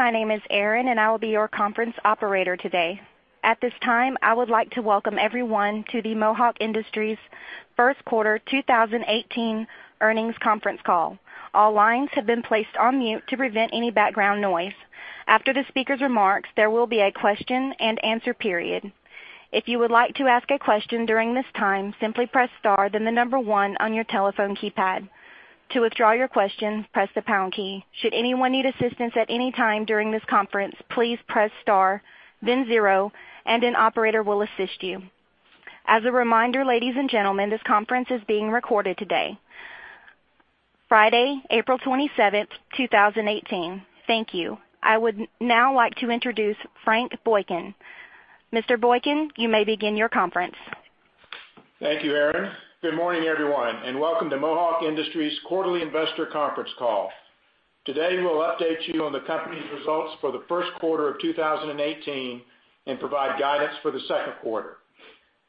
My name is Erin, and I will be your conference operator today. At this time, I would like to welcome everyone to the Mohawk Industries First Quarter 2018 Earnings Conference Call. All lines have been placed on mute to prevent any background noise. After the speaker's remarks, there will be a question and answer period. If you would like to ask a question during this time, simply press star, then the number 1 on your telephone keypad. To withdraw your question, press the pound key. Should anyone need assistance at any time during this conference, please press star, then 0 and an operator will assist you. As a reminder, ladies and gentlemen, this conference is being recorded today, Friday, April 27, 2018. Thank you. I would now like to introduce Frank Boykin. Mr. Boykin, you may begin your conference. Thank you, Erin. Good morning, everyone, and welcome to Mohawk Industries quarterly investor conference call. Today, we'll update you on the company's results for the first quarter of 2018 and provide guidance for the second quarter.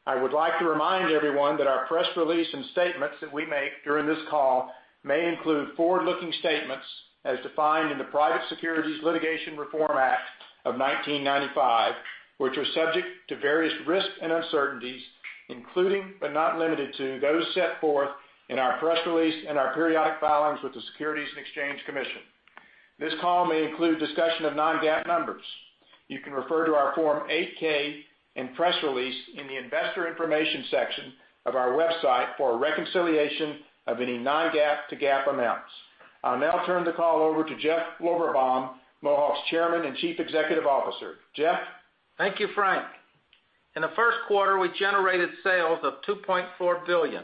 I would like to remind everyone that our press release and statements that we make during this call may include forward-looking statements as defined in the Private Securities Litigation Reform Act of 1995, which are subject to various risks and uncertainties, including, but not limited to those set forth in our press release and our periodic filings with the Securities and Exchange Commission. This call may include discussion of non-GAAP numbers. You can refer to our Form 8-K and press release in the investor information section of our website for a reconciliation of any non-GAAP to GAAP amounts. I'll now turn the call over to Jeff Lorberbaum, Mohawk's Chairman and Chief Executive Officer. Jeff? Thank you, Frank. In the first quarter, we generated sales of $2.4 billion,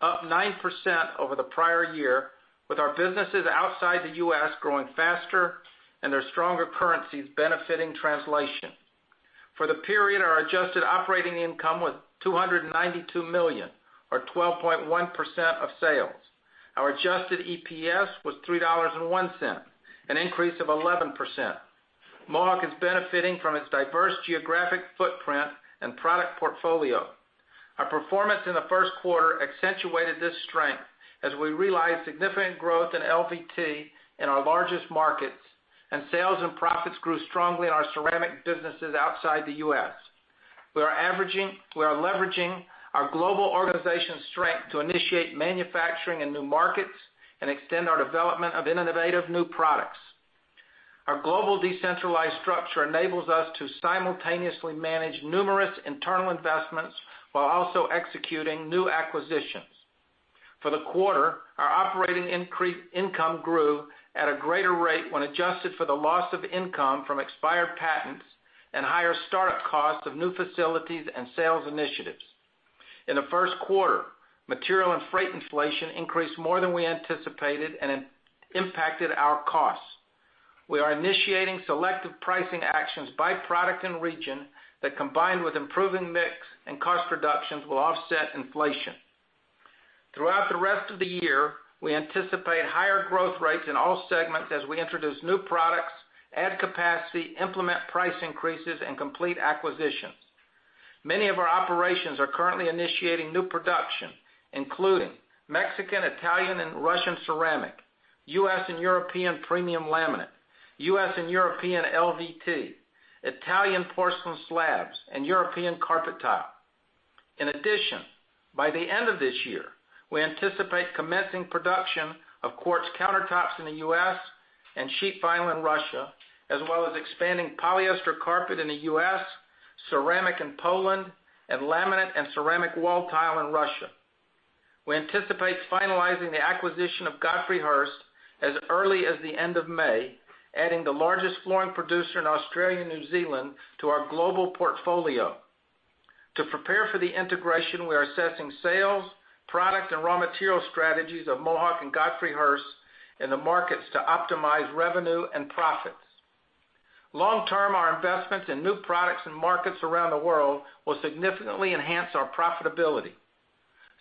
up 9% over the prior year, with our businesses outside the U.S. growing faster and their stronger currencies benefiting translation. For the period, our adjusted operating income was $292 million or 12.1% of sales. Our adjusted EPS was $3.01, an increase of 11%. Mohawk is benefiting from its diverse geographic footprint and product portfolio. Our performance in the first quarter accentuated this strength as we realized significant growth in LVT in our largest markets, and sales and profits grew strongly in our ceramic businesses outside the U.S. We are leveraging our global organization's strength to initiate manufacturing in new markets and extend our development of innovative new products. Our global decentralized structure enables us to simultaneously manage numerous internal investments while also executing new acquisitions. For the quarter, our operating income grew at a greater rate when adjusted for the loss of income from expired patents and higher startup costs of new facilities and sales initiatives. In the first quarter, material and freight inflation increased more than we anticipated and it impacted our costs. We are initiating selective pricing actions by product and region that, combined with improving mix and cost reductions, will offset inflation. Throughout the rest of the year, we anticipate higher growth rates in all segments as we introduce new products, add capacity, implement price increases, and complete acquisitions. Many of our operations are currently initiating new production, including Mexican, Italian, and Russian ceramic, U.S. and European premium laminate, U.S. and European LVT, Italian porcelain slabs, and European carpet tile. In addition, by the end of this year, we anticipate commencing production of quartz countertops in the U.S. and sheet vinyl in Russia, as well as expanding polyester carpet in the U.S., ceramic in Poland, and laminate and ceramic wall tile in Russia. We anticipate finalizing the acquisition of Godfrey Hirst as early as the end of May, adding the largest flooring producer in Australia and New Zealand to our global portfolio. To prepare for the integration, we are assessing sales, product, and raw material strategies of Mohawk and Godfrey Hirst in the markets to optimize revenue and profits. Long-term, our investments in new products and markets around the world will significantly enhance our profitability.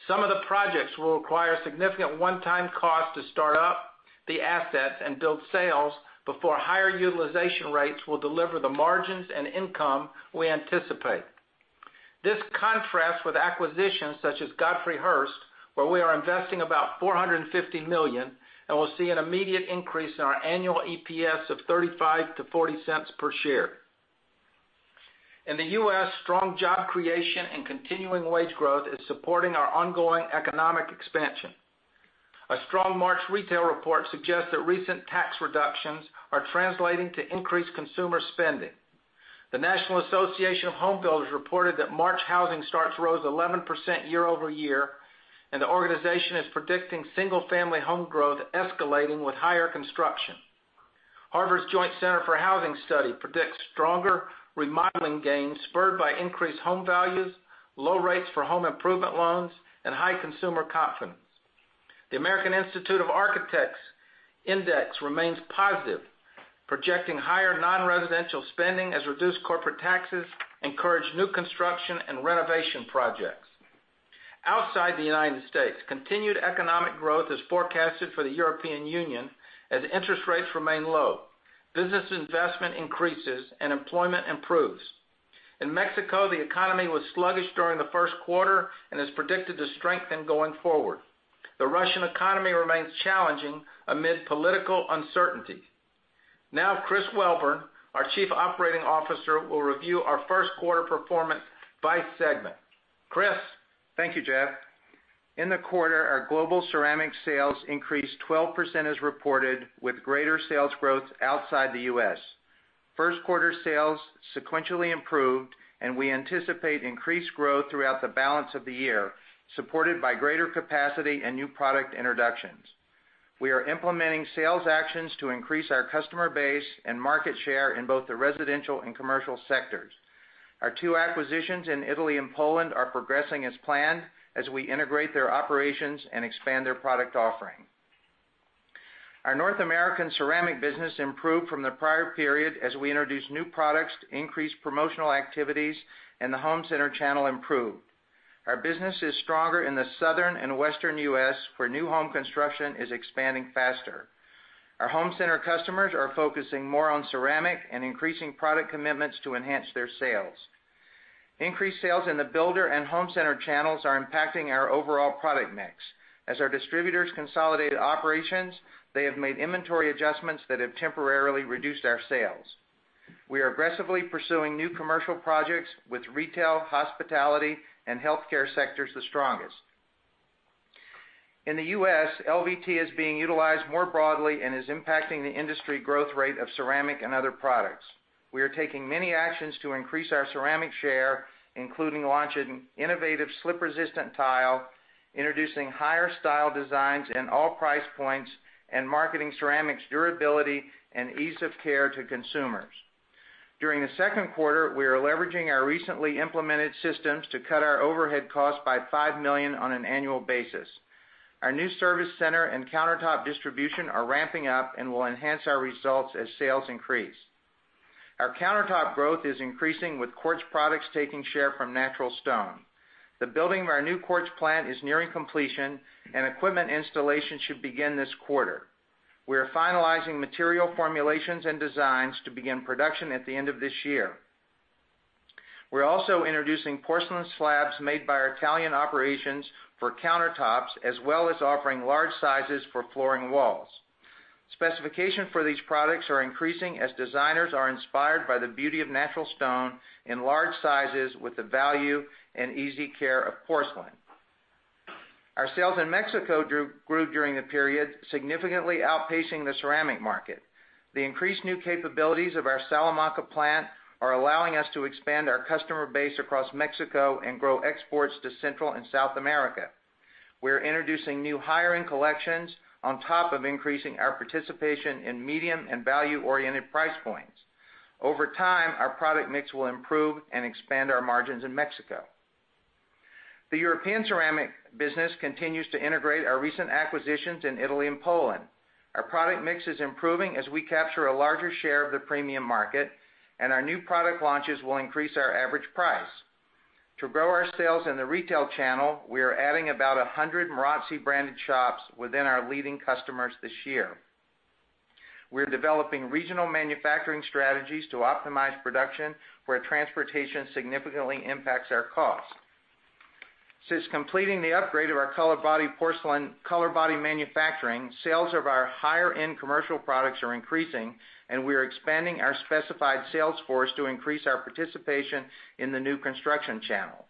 Some of the projects will require significant one-time costs to start up the assets and build sales before higher utilization rates will deliver the margins and income we anticipate. This contrasts with acquisitions such as Godfrey Hirst, where we are investing about $450 million and will see an immediate increase in our annual EPS of $0.35-$0.40 per share. In the U.S., strong job creation and continuing wage growth is supporting our ongoing economic expansion. A strong March retail report suggests that recent tax reductions are translating to increased consumer spending. The National Association of Home Builders reported that March housing starts rose 11% year-over-year, and the organization is predicting single-family home growth escalating with higher construction. Harvard's Joint Center for Housing Studies predicts stronger remodeling gains spurred by increased home values, low rates for home improvement loans, and high consumer confidence. The American Institute of Architects Index remains positive, projecting higher non-residential spending as reduced corporate taxes encourage new construction and renovation projects. Outside the U.S., continued economic growth is forecasted for the European Union as interest rates remain low, business investment increases, and employment improves. In Mexico, the economy was sluggish during the first quarter and is predicted to strengthen going forward. The Russian economy remains challenging amid political uncertainty. Now, Chris Wellborn, our Chief Operating Officer, will review our first quarter performance by segment. Chris? Thank you, Jeff. In the quarter, our Global Ceramic sales increased 12% as reported, with greater sales growth outside the U.S. First quarter sales sequentially improved, and we anticipate increased growth throughout the balance of the year, supported by greater capacity and new product introductions. We are implementing sales actions to increase our customer base and market share in both the residential and commercial sectors. Our two acquisitions in Italy and Poland are progressing as planned as we integrate their operations and expand their product offering. Our North American ceramic business improved from the prior period as we introduced new products to increase promotional activities, and the home center channel improved. Our business is stronger in the Southern and Western U.S., where new home construction is expanding faster. Our home center customers are focusing more on ceramic and increasing product commitments to enhance their sales. Increased sales in the builder and home center channels are impacting our overall product mix. As our distributors consolidated operations, they have made inventory adjustments that have temporarily reduced our sales. We are aggressively pursuing new commercial projects with retail, hospitality, and healthcare sectors the strongest. In the U.S., LVT is being utilized more broadly and is impacting the industry growth rate of ceramic and other products. We are taking many actions to increase our ceramic share, including launching innovative slip-resistant tile, introducing higher style designs in all price points, and marketing ceramic's durability and ease of care to consumers. During the second quarter, we are leveraging our recently implemented systems to cut our overhead costs by $5 million on an annual basis. Our new service center and countertop distribution are ramping up and will enhance our results as sales increase. Our countertop growth is increasing with quartz products taking share from natural stone. The building of our new quartz plant is nearing completion, and equipment installation should begin this quarter. We are finalizing material formulations and designs to begin production at the end of this year. We're also introducing porcelain slabs made by our Italian operations for countertops, as well as offering large sizes for flooring walls. Specification for these products are increasing as designers are inspired by the beauty of natural stone in large sizes with the value and easy care of porcelain. Our sales in Mexico grew during the period, significantly outpacing the ceramic market. The increased new capabilities of our Salamanca plant are allowing us to expand our customer base across Mexico and grow exports to Central and South America. We're introducing new hiring collections on top of increasing our participation in medium and value-oriented price points. Over time, our product mix will improve and expand our margins in Mexico. The European ceramic business continues to integrate our recent acquisitions in Italy and Poland. Our product mix is improving as we capture a larger share of the premium market, and our new product launches will increase our average price. To grow our sales in the retail channel, we are adding about 100 Marazzi-branded shops within our leading customers this year. We're developing regional manufacturing strategies to optimize production where transportation significantly impacts our cost. Since completing the upgrade of our color body manufacturing, sales of our higher-end commercial products are increasing, and we are expanding our specified sales force to increase our participation in the new construction channel.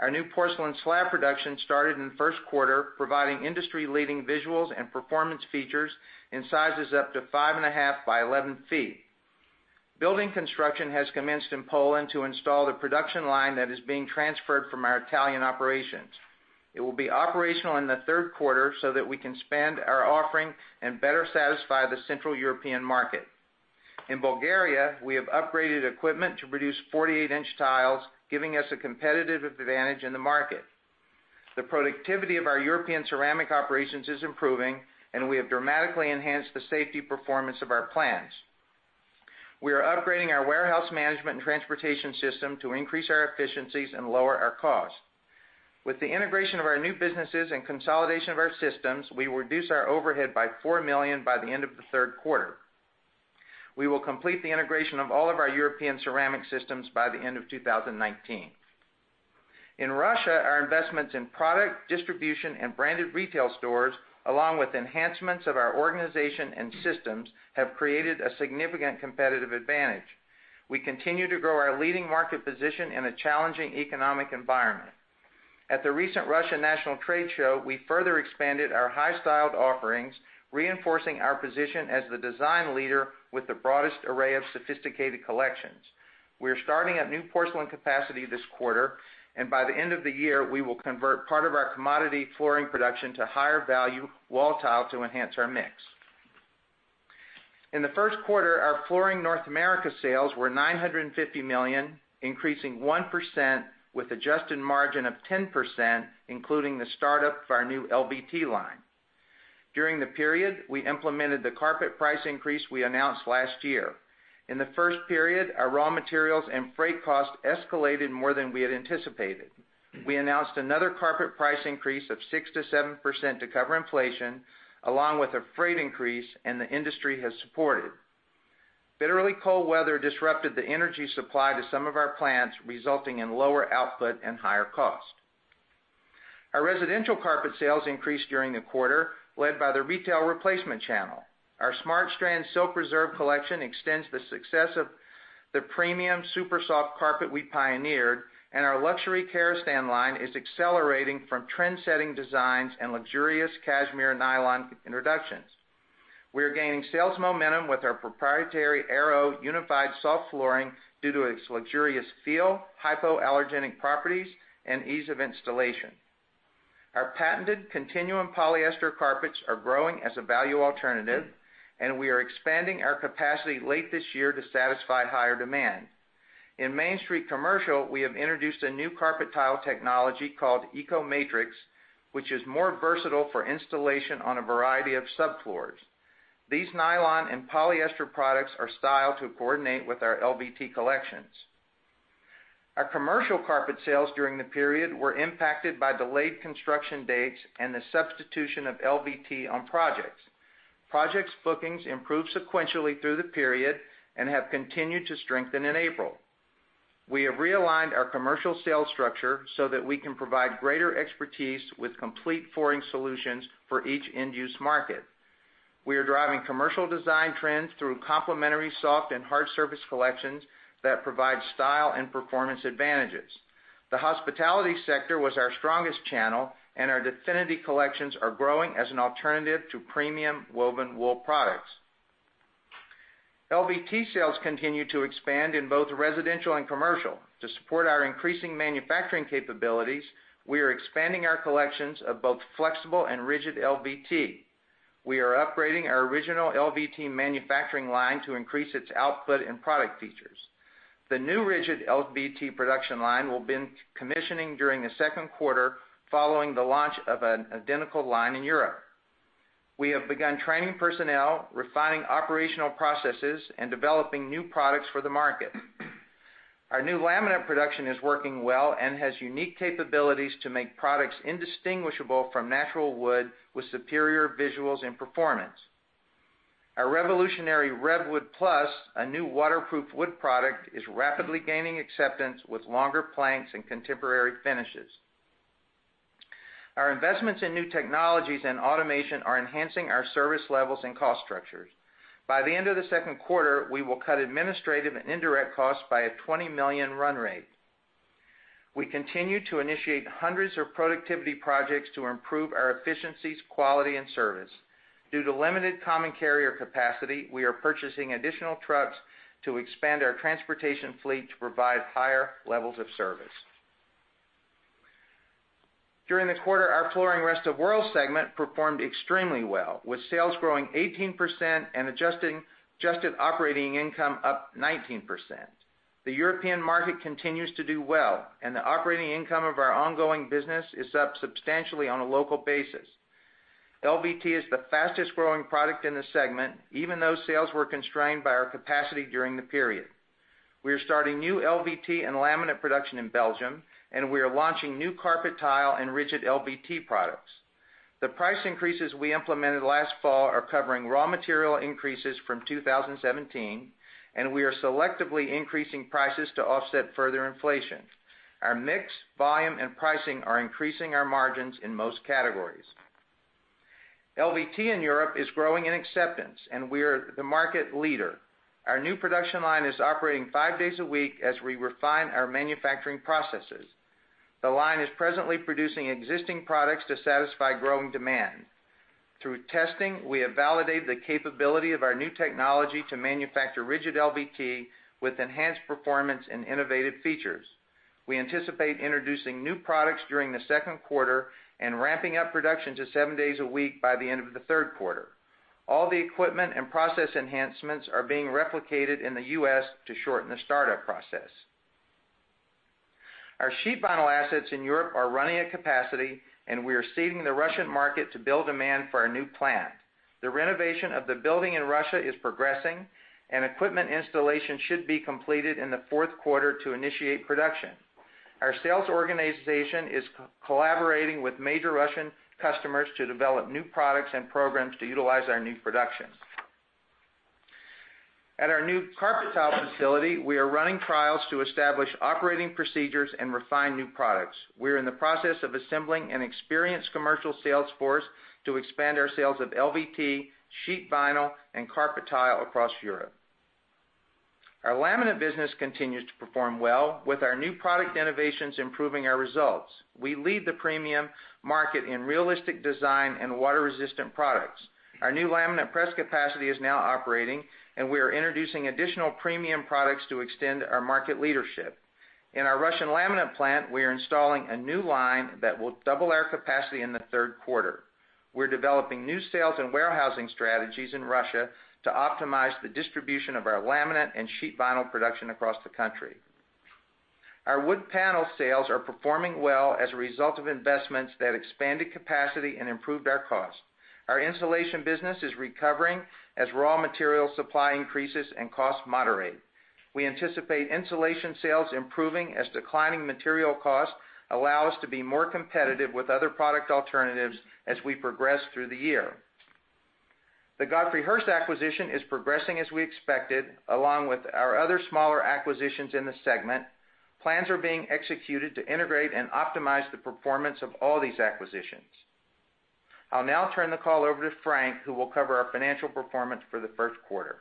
Our new porcelain slab production started in the first quarter, providing industry-leading visuals and performance features in sizes up to five and a half by 11 feet. Building construction has commenced in Poland to install the production line that is being transferred from our Italian operations. It will be operational in the third quarter so that we can expand our offering and better satisfy the Central European market. In Bulgaria, we have upgraded equipment to produce 48-inch tiles, giving us a competitive advantage in the market. The productivity of our European ceramic operations is improving, and we have dramatically enhanced the safety performance of our plants. We are upgrading our warehouse management and transportation system to increase our efficiencies and lower our costs. With the integration of our new businesses and consolidation of our systems, we will reduce our overhead by $4 million by the end of the third quarter. We will complete the integration of all of our European ceramic systems by the end of 2019. In Russia, our investments in product distribution and branded retail stores, along with enhancements of our organization and systems, have created a significant competitive advantage. We continue to grow our leading market position in a challenging economic environment. At the recent Russia National Trade Show, we further expanded our high-styled offerings, reinforcing our position as the design leader with the broadest array of sophisticated collections. We are starting up new porcelain capacity this quarter, and by the end of the year, we will convert part of our commodity flooring production to higher-value wall tile to enhance our mix. In the first quarter, our Flooring North America sales were $950 million, increasing 1% with adjusted margin of 10%, including the startup of our new LVT line. During the period, we implemented the carpet price increase we announced last year. In the first period, our raw materials and freight costs escalated more than we had anticipated. We announced another carpet price increase of 6%-7% to cover inflation, along with a freight increase, and the industry has supported. Bitterly cold weather disrupted the energy supply to some of our plants, resulting in lower output and higher cost. Our residential carpet sales increased during the quarter, led by the retail replacement channel. Our SmartStrand Silk Reserve collection extends the success of the premium super soft carpet we pioneered, and our luxury Karastan line is accelerating from trend-setting designs and luxurious cashmere nylon introductions. We are gaining sales momentum with our proprietary Airo unified soft flooring due to its luxurious feel, hypoallergenic properties, and ease of installation. Our patented Continuum polyester carpets are growing as a value alternative, and we are expanding our capacity late this year to satisfy higher demand. In Main Street Commercial, we have introduced a new carpet tile technology called EcoMatrix, which is more versatile for installation on a variety of subfloors. These nylon and polyester products are styled to coordinate with our LVT collections. Our commercial carpet sales during the period were impacted by delayed construction dates and the substitution of LVT on projects. Projects bookings improved sequentially through the period and have continued to strengthen in April. We have realigned our commercial sales structure so that we can provide greater expertise with complete flooring solutions for each end-use market. We are driving commercial design trends through complementary soft and hard surface collections that provide style and performance advantages. The hospitality sector was our strongest channel, and our Definity collections are growing as an alternative to premium woven wool products. LVT sales continue to expand in both residential and commercial. To support our increasing manufacturing capabilities, we are expanding our collections of both flexible and rigid LVT. We are upgrading our original LVT manufacturing line to increase its output and product features. The new rigid LVT production line will begin commissioning during the second quarter following the launch of an identical line in Europe. We have begun training personnel, refining operational processes, and developing new products for the market. Our new laminate production is working well and has unique capabilities to make products indistinguishable from natural wood with superior visuals and performance. Our revolutionary RevWood Plus, a new waterproof wood product, is rapidly gaining acceptance with longer planks and contemporary finishes. Our investments in new technologies and automation are enhancing our service levels and cost structures. By the end of the second quarter, we will cut administrative and indirect costs by a $20 million run rate. We continue to initiate hundreds of productivity projects to improve our efficiencies, quality, and service. Due to limited common carrier capacity, we are purchasing additional trucks to expand our transportation fleet to provide higher levels of service. During the quarter, our Flooring Rest of the World segment performed extremely well, with sales growing 18% and adjusted operating income up 19%. The European market continues to do well, and the operating income of our ongoing business is up substantially on a local basis. LVT is the fastest-growing product in the segment, even though sales were constrained by our capacity during the period. We are starting new LVT and laminate production in Belgium, and we are launching new carpet tile and rigid LVT products. The price increases we implemented last fall are covering raw material increases from 2017, and we are selectively increasing prices to offset further inflation. Our mix, volume, and pricing are increasing our margins in most categories. LVT in Europe is growing in acceptance, and we are the market leader. Our new production line is operating five days a week as we refine our manufacturing processes. The line is presently producing existing products to satisfy growing demand. Through testing, we have validated the capability of our new technology to manufacture rigid LVT with enhanced performance and innovative features. We anticipate introducing new products during the second quarter and ramping up production to seven days a week by the end of the third quarter. All the equipment and process enhancements are being replicated in the U.S. to shorten the startup process. Our sheet vinyl assets in Europe are running at capacity, and we are seeding the Russian market to build demand for our new plant. The renovation of the building in Russia is progressing, and equipment installation should be completed in the fourth quarter to initiate production. Our sales organization is collaborating with major Russian customers to develop new products and programs to utilize our new production. At our new carpet tile facility, we are running trials to establish operating procedures and refine new products. We are in the process of assembling an experienced commercial sales force to expand our sales of LVT, sheet vinyl, and carpet tile across Europe. Our laminate business continues to perform well with our new product innovations improving our results. We lead the premium market in realistic design and water-resistant products. Our new laminate press capacity is now operating, and we are introducing additional premium products to extend our market leadership. In our Russian laminate plant, we are installing a new line that will double our capacity in the third quarter. We're developing new sales and warehousing strategies in Russia to optimize the distribution of our laminate and sheet vinyl production across the country. Our wood panel sales are performing well as a result of investments that expanded capacity and improved our cost. Our insulation business is recovering as raw material supply increases and costs moderate. We anticipate insulation sales improving as declining material costs allow us to be more competitive with other product alternatives as we progress through the year. The Godfrey Hirst acquisition is progressing as we expected, along with our other smaller acquisitions in the segment. Plans are being executed to integrate and optimize the performance of all these acquisitions. I'll now turn the call over to Frank, who will cover our financial performance for the first quarter.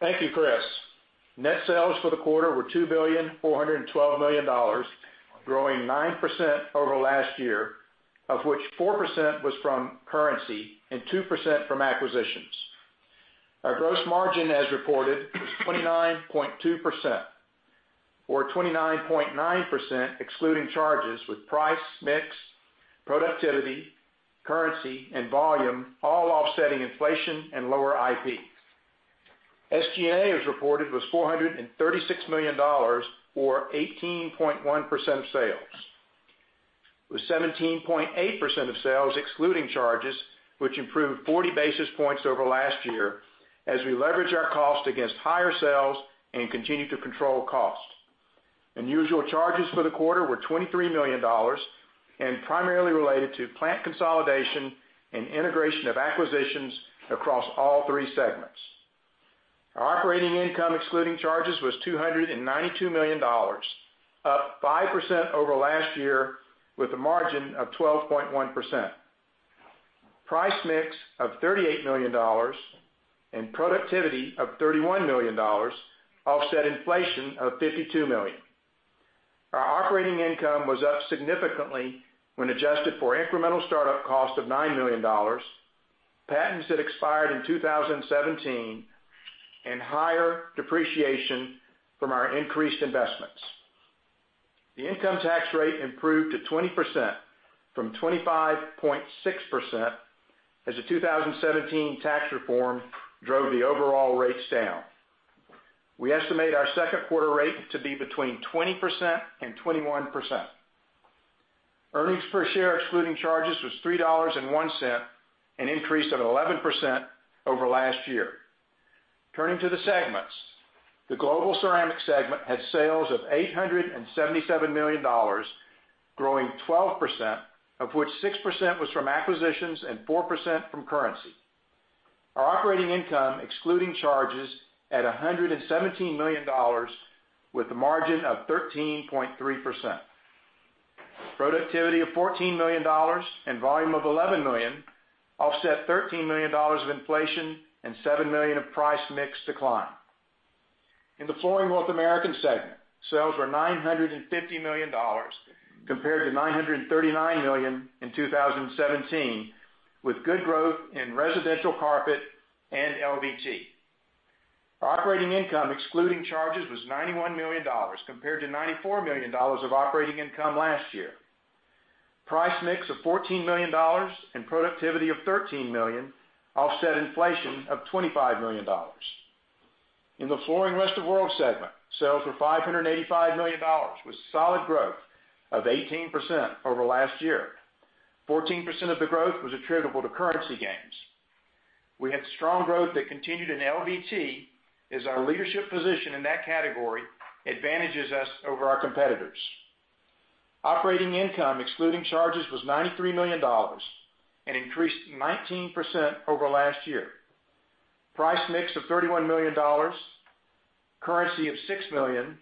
Thank you, Chris. Net sales for the quarter were $2.412 billion, growing 9% over last year, of which 4% was from currency and 2% from acquisitions. Our gross margin, as reported, was 29.2%, or 29.9% excluding charges with price, mix, productivity, currency, and volume, all offsetting inflation and lower IP. SG&A, as reported, was $436 million or 18.1% of sales. With 17.8% of sales excluding charges, which improved 40 basis points over last year, as we leveraged our cost against higher sales and continued to control costs. Unusual charges for the quarter were $23 million and primarily related to plant consolidation and integration of acquisitions across all three segments. Our operating income, excluding charges, was $292 million, up 5% over last year with a margin of 12.1%. Price mix of $38 million and productivity of $31 million offset inflation of $52 million. Our operating income was up significantly when adjusted for incremental startup cost of $9 million, patents that expired in 2017, and higher depreciation from our increased investments. The income tax rate improved to 20% from 25.6% as the 2017 tax reform drove the overall rates down. We estimate our second quarter rate to be between 20% and 21%. Earnings per share excluding charges was $3.01, an increase of 11% over last year. Turning to the segments. The Global Ceramic segment had sales of $877 million, growing 12%, of which 6% was from acquisitions and 4% from currency. Our operating income excluding charges at $117 million with a margin of 13.3%. Productivity of $14 million and volume of $11 million offset $13 million of inflation and $7 million of price mix decline. In the Flooring North America segment, sales were $950 million compared to $939 million in 2017, with good growth in residential carpet and LVT. Operating income, excluding charges, was $91 million, compared to $94 million of operating income last year. Price mix of $14 million and productivity of $13 million offset inflation of $25 million. In the Flooring Rest of the World segment, sales were $585 million, with solid growth of 18% over last year. 14% of the growth was attributable to currency gains. We had strong growth that continued in LVT as our leadership position in that category advantages us over our competitors. Operating income, excluding charges, was $93 million and increased 19% over last year. Price mix of $31 million, currency of $6 million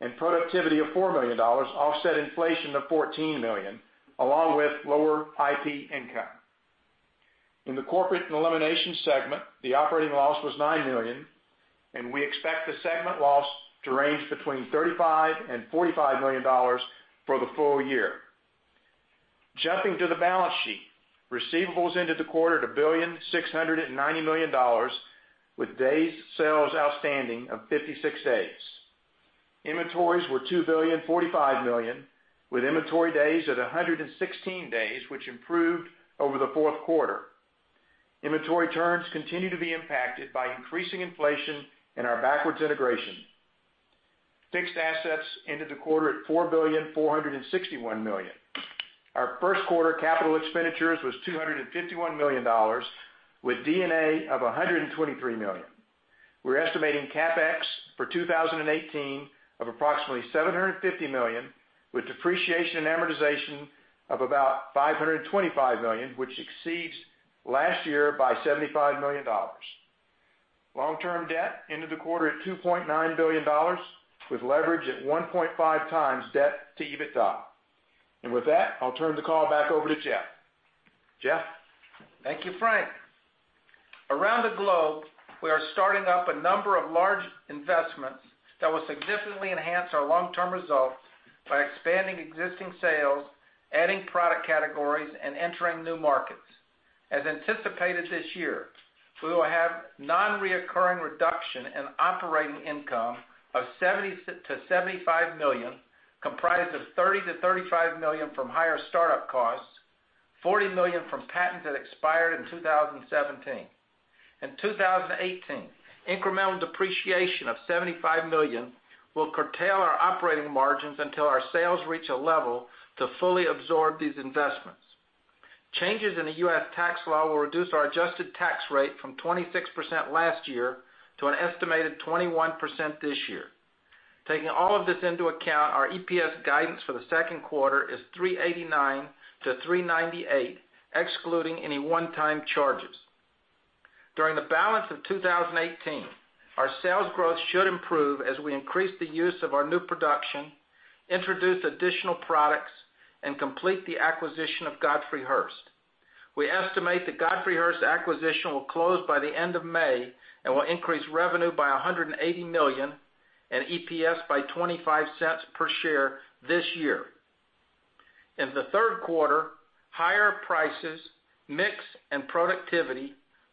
and productivity of $4 million offset inflation of $14 million, along with lower IP income. In the corporate and elimination segment, the operating loss was $9 million, we expect the segment loss to range between $35 million-$45 million for the full year. Jumping to the balance sheet, receivables ended the quarter at $1,690 million, with days sales outstanding of 56 days. Inventories were $2,045 million, with inventory days at 116 days, which improved over the fourth quarter. Inventory turns continue to be impacted by increasing inflation and our backwards integration. Fixed assets ended the quarter at $4,461 million. Our first quarter capital expenditures was $251 million, with D&A of $123 million. We're estimating CapEx for 2018 of approximately $750 million, with depreciation and amortization of about $525 million, which exceeds last year by $75 million. Long-term debt ended the quarter at $2.9 billion, with leverage at 1.5 times debt to EBITDA. With that, I'll turn the call back over to Jeff. Jeff? Thank you, Frank. Around the globe, we are starting up a number of large investments that will significantly enhance our long-term results by expanding existing sales, adding product categories, and entering new markets. As anticipated this year, we will have non-recurring reduction in operating income of $70 million-$75 million, comprised of $30 million-$35 million from higher startup costs, $40 million from patents that expired in 2017. In 2018, incremental depreciation of $75 million will curtail our operating margins until our sales reach a level to fully absorb these investments. Changes in the U.S. tax law will reduce our adjusted tax rate from 26% last year to an estimated 21% this year. Taking all of this into account, our EPS guidance for the second quarter is $3.89-$3.98, excluding any one-time charges. During the balance of 2018, our sales growth should improve as we increase the use of our new production, introduce additional products, and complete the acquisition of Godfrey Hirst. We estimate the Godfrey Hirst acquisition will close by the end of May and will increase revenue by $180 million and EPS by $0.25 per share this year. In the third quarter, higher prices, mix, and productivity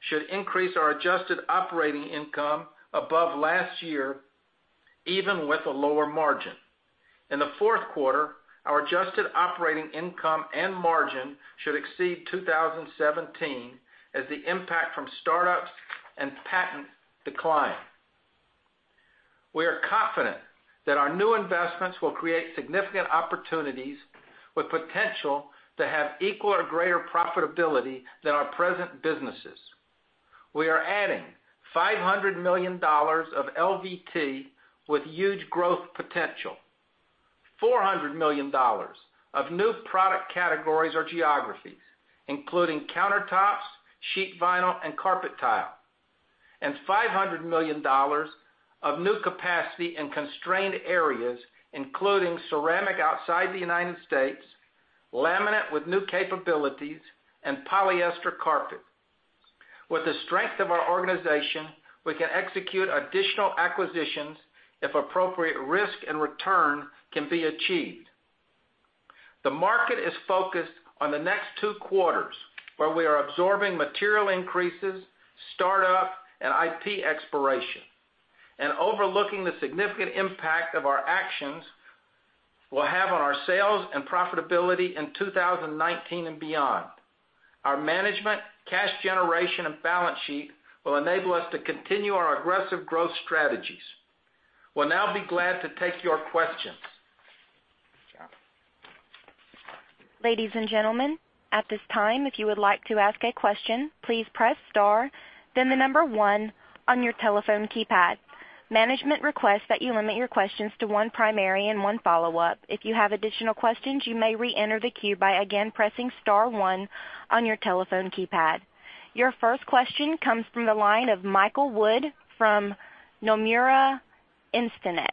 should increase our adjusted operating income above last year, even with a lower margin. In the fourth quarter, our adjusted operating income and margin should exceed 2017 as the impact from startups and patent decline. We are confident that our new investments will create significant opportunities with potential to have equal or greater profitability than our present businesses. We are adding $500 million of LVT with huge growth potential, $400 million of new product categories or geographies, including countertops, sheet vinyl, and carpet tile, and $500 million of new capacity in constrained areas, including ceramic outside the U.S., laminate with new capabilities, and polyester carpet. With the strength of our organization, we can execute additional acquisitions if appropriate risk and return can be achieved. The market is focused on the next two quarters, where we are absorbing material increases, startup, and IP expiration, overlooking the significant impact of our actions will have on our sales and profitability in 2019 and beyond. Our management, cash generation, and balance sheet will enable us to continue our aggressive growth strategies. We'll now be glad to take your questions. Jeff. Ladies and gentlemen, at this time, if you would like to ask a question, please press star, then the number 1 on your telephone keypad. Management requests that you limit your questions to one primary and one follow-up. If you have additional questions, you may reenter the queue by again pressing star 1 on your telephone keypad. Your first question comes from the line of Michael Wood from Nomura Instinet.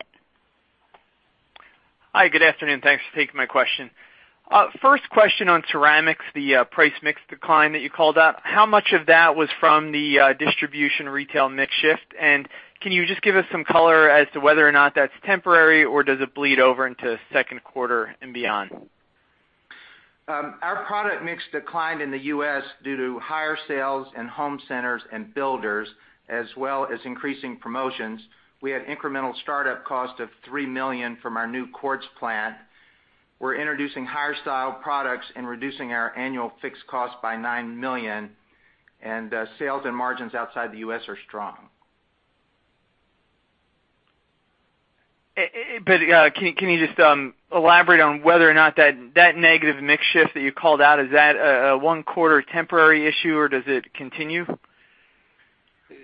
Hi, good afternoon. Thanks for taking my question. First question on ceramics, the price mix decline that you called out. How much of that was from the distribution retail mix shift? Can you just give us some color as to whether or not that's temporary, or does it bleed over into second quarter and beyond? Our product mix declined in the U.S. due to higher sales in home centers and builders, as well as increasing promotions. We had incremental startup cost of $3 million from our new quartz plant. We're introducing higher style products and reducing our annual fixed cost by $9 million. Sales and margins outside the U.S. are strong. Can you just elaborate on whether or not that negative mix shift that you called out, is that a one-quarter temporary issue, or does it continue?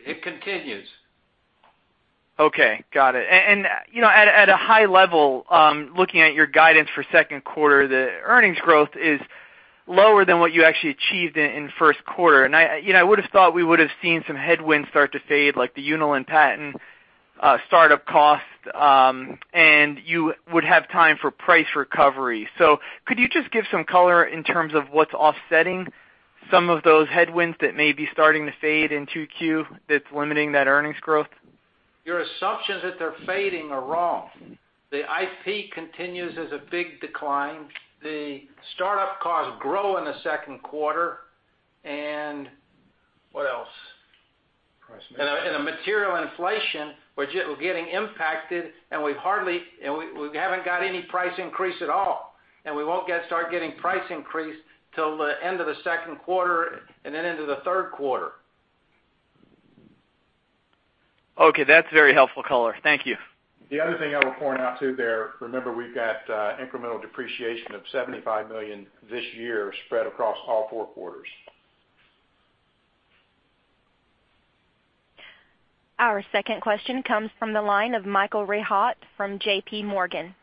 It continues. Okay, got it. At a high level, looking at your guidance for second quarter, the earnings growth is lower than what you actually achieved in first quarter. I would've thought we would've seen some headwinds start to fade, like the Unilin patent startup cost, and you would have time for price recovery. Could you just give some color in terms of what's offsetting some of those headwinds that may be starting to fade in 2Q that's limiting that earnings growth? Your assumptions that they're fading are wrong. The IP continues as a big decline. The startup costs grow in the second quarter. What else? Price mix. The material inflation, we're getting impacted, and we haven't got any price increase at all. We won't start getting price increase till the end of the second quarter and then into the third quarter. Okay, that's very helpful color. Thank you. The other thing I would point out, too, there, remember, we've got incremental depreciation of $75 million this year spread across all four quarters. Our second question comes from the line of Michael Rehaut from JPMorgan.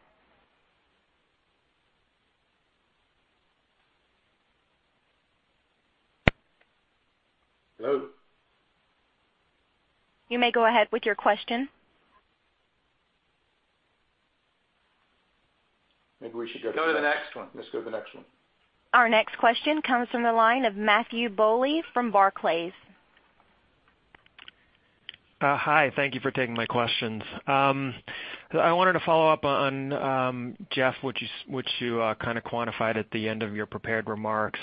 Hello? You may go ahead with your question. Maybe we should go to the next. Go to the next one. Let's go to the next one. Our next question comes from the line of Matthew Bouley from Barclays. Hi. Thank you for taking my questions. I wanted to follow up on, Jeff, what you quantified at the end of your prepared remarks.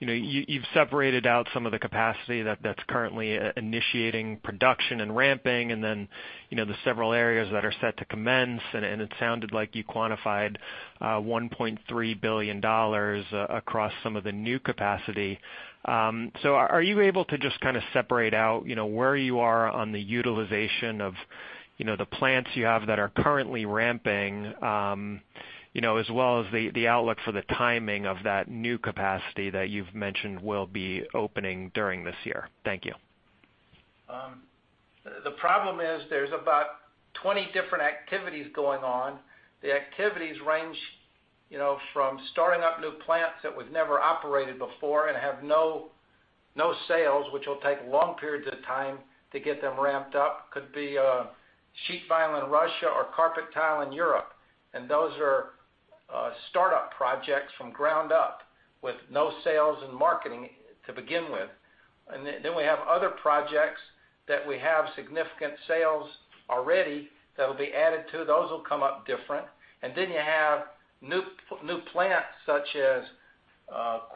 You've separated out some of the capacity that's currently initiating production and ramping, and then the several areas that are set to commence, it sounded like you quantified $1.3 billion across some of the new capacity. Are you able to just separate out where you are on the utilization of the plants you have that are currently ramping, as well as the outlook for the timing of that new capacity that you've mentioned will be opening during this year? Thank you. The problem is there's about 20 different activities going on. The activities range from starting up new plants that we've never operated before and have no sales, which will take long periods of time to get them ramped up. Could be sheet vinyl in Russia or carpet tile in Europe, those are startup projects from ground up with no sales and marketing to begin with. We have other projects that we have significant sales already that will be added to. Those will come up different. You have new plants, such as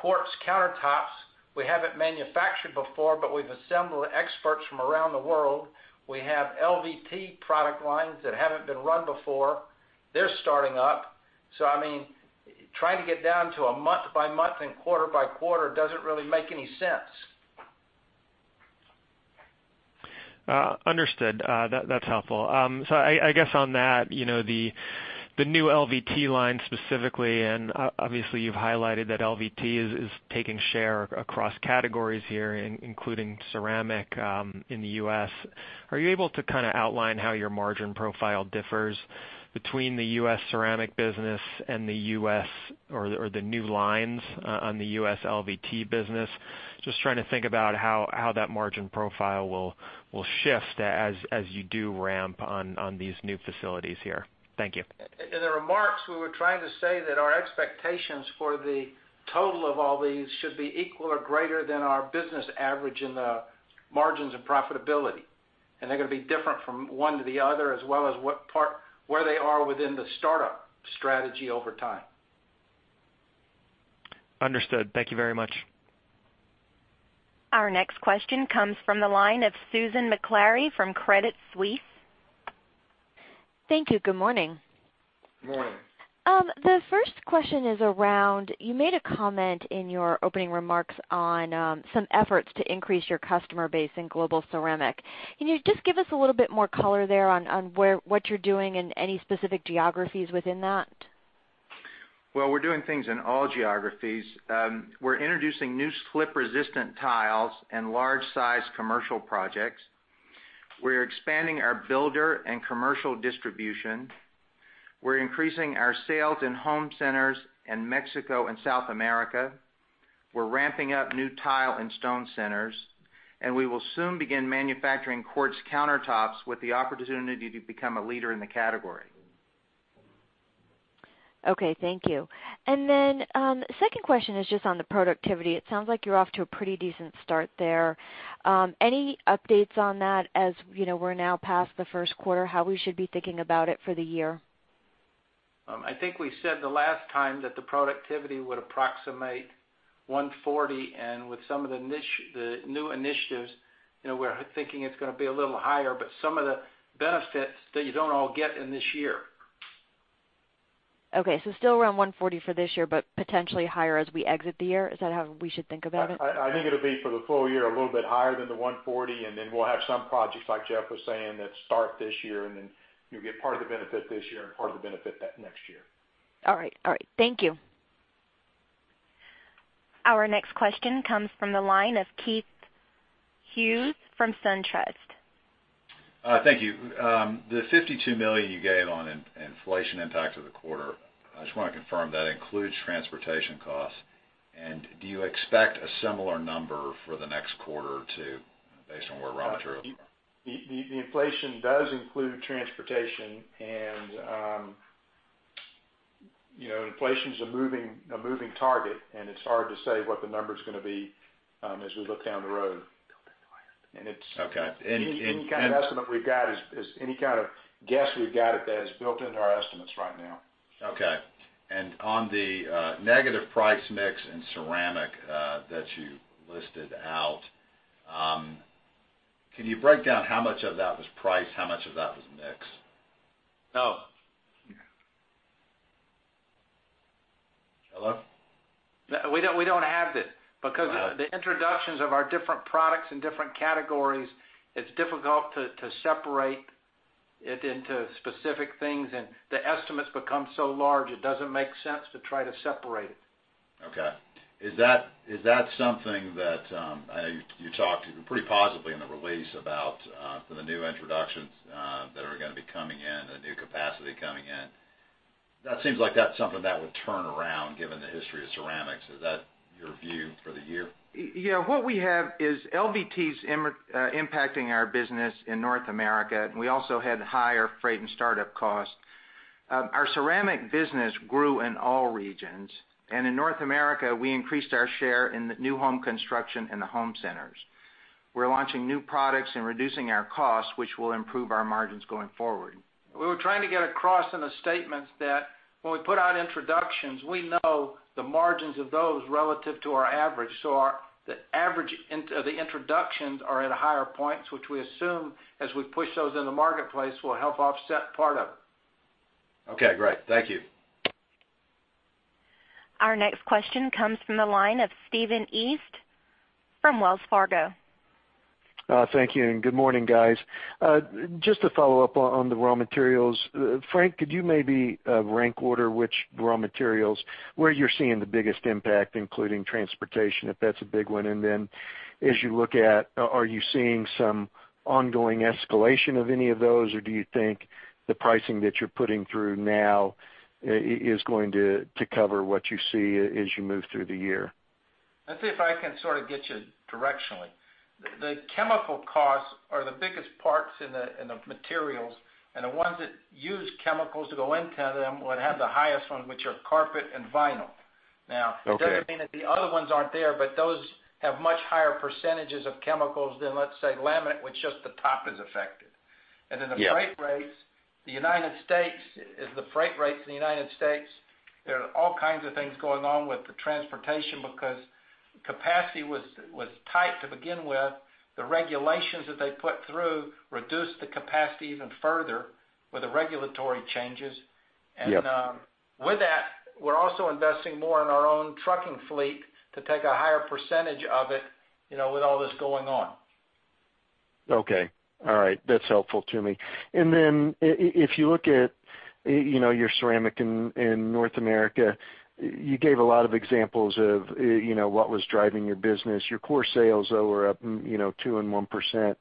quartz countertops. We haven't manufactured before, but we've assembled experts from around the world. We have LVT product lines that haven't been run before. They're starting up. Trying to get down to a month-by-month and quarter-by-quarter doesn't really make any sense. Understood. That's helpful. I guess on that, the new LVT line specifically, obviously, you've highlighted that LVT is taking share across categories here, including ceramic in the U.S. Are you able to outline how your margin profile differs between the U.S. ceramic business or the new lines on the U.S. LVT business? Just trying to think about how that margin profile will shift as you do ramp on these new facilities here. Thank you. In the remarks, we were trying to say that our expectations for the total of all these should be equal or greater than our business average in the margins and profitability. They're going to be different from one to the other, as well as where they are within the startup strategy over time. Understood. Thank you very much. Our next question comes from the line of Susan Maklari from Credit Suisse. Thank you. Good morning. Morning. The first question is around, you made a comment in your opening remarks on some efforts to increase your customer base in Global Ceramic. Can you just give us a little bit more color there on what you're doing and any specific geographies within that? Well, we're doing things in all geographies. We're introducing new slip-resistant tiles and large-size commercial projects. We're expanding our builder and commercial distribution. We're increasing our sales in home centers in Mexico and South America. We're ramping up new tile and stone centers, and we will soon begin manufacturing quartz countertops with the opportunity to become a leader in the category. Okay, thank you. Second question is just on the productivity. It sounds like you're off to a pretty decent start there. Any updates on that as we're now past the first quarter, how we should be thinking about it for the year? I think we said the last time that the productivity would approximate 140, with some of the new initiatives, we're thinking it's going to be a little higher. Some of the benefits that you don't all get in this year. Okay, still around $140 for this year, but potentially higher as we exit the year. Is that how we should think about it? I think it'll be for the full year, a little bit higher than the $140, we'll have some projects, like Jeff was saying, that start this year, you'll get part of the benefit this year and part of the benefit that next year. All right. Thank you. Our next question comes from the line of Keith Hughes from SunTrust. Thank you. The $52 million you gave on inflation impact to the quarter, I just want to confirm that includes transportation costs. Do you expect a similar number for the next quarter or two based on where raw materials are? The inflation does include transportation, inflation's a moving target, it's hard to say what the number's going to be as we look down the road. Okay. Any kind of guess we've got at that is built into our estimates right now. Okay. On the negative price mix in Global Ceramic that you listed out, can you break down how much of that was price, how much of that was mix? No. Hello? We don't have that because the introductions of our different products and different categories, it's difficult to separate it into specific things, and the estimates become so large it doesn't make sense to try to separate it. Okay. Is that something that I know you talked pretty positively in the release about for the new introductions that are going to be coming in, the new capacity coming in. That seems like that's something that would turn around given the history of ceramics. Is that your view for the year? Yeah. What we have is LVT's impacting our business in North America. We also had higher freight and startup costs. Our ceramic business grew in all regions. In North America, we increased our share in the new home construction and the home centers. We're launching new products and reducing our costs, which will improve our margins going forward. We were trying to get across in the statements that when we put out introductions, we know the margins of those relative to our average. The introductions are at higher points, which we assume, as we push those in the marketplace, will help offset part of it. Okay, great. Thank you. Our next question comes from the line of Stephen East from Wells Fargo. Thank you, and good morning, guys. Just to follow up on the raw materials, Frank, could you maybe rank order which raw materials, where you're seeing the biggest impact, including transportation, if that's a big one? And then as you look at, are you seeing some ongoing escalation of any of those, or do you think the pricing that you're putting through now is going to cover what you see as you move through the year? Let's see if I can sort of get you directionally. The chemical costs are the biggest parts in the materials, and the ones that use chemicals to go into them would have the highest one, which are carpet and vinyl. Okay. It doesn't mean that the other ones aren't there, but those have much higher percentages of chemicals than, let's say, laminate, which just the top is affected. Yeah. The freight rates in the United States. There are all kinds of things going on with the transportation because capacity was tight to begin with. The regulations that they put through reduced the capacity even further with the regulatory changes. Yep. With that, we're also investing more in our own trucking fleet to take a higher percentage of it, with all this going on. Okay. All right. That's helpful to me. If you look at your ceramic in North America, you gave a lot of examples of what was driving your business. Your core sales though were up 2% and 1%.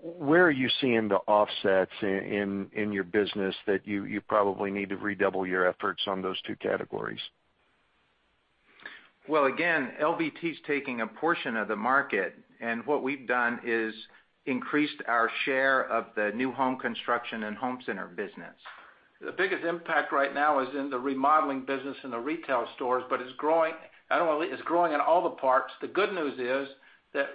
Where are you seeing the offsets in your business that you probably need to redouble your efforts on those two categories? Well, again, LVT is taking a portion of the market, and what we've done is increased our share of the new home construction and home center business. The biggest impact right now is in the remodeling business in the retail stores, but it's growing in all the parts. The good news is that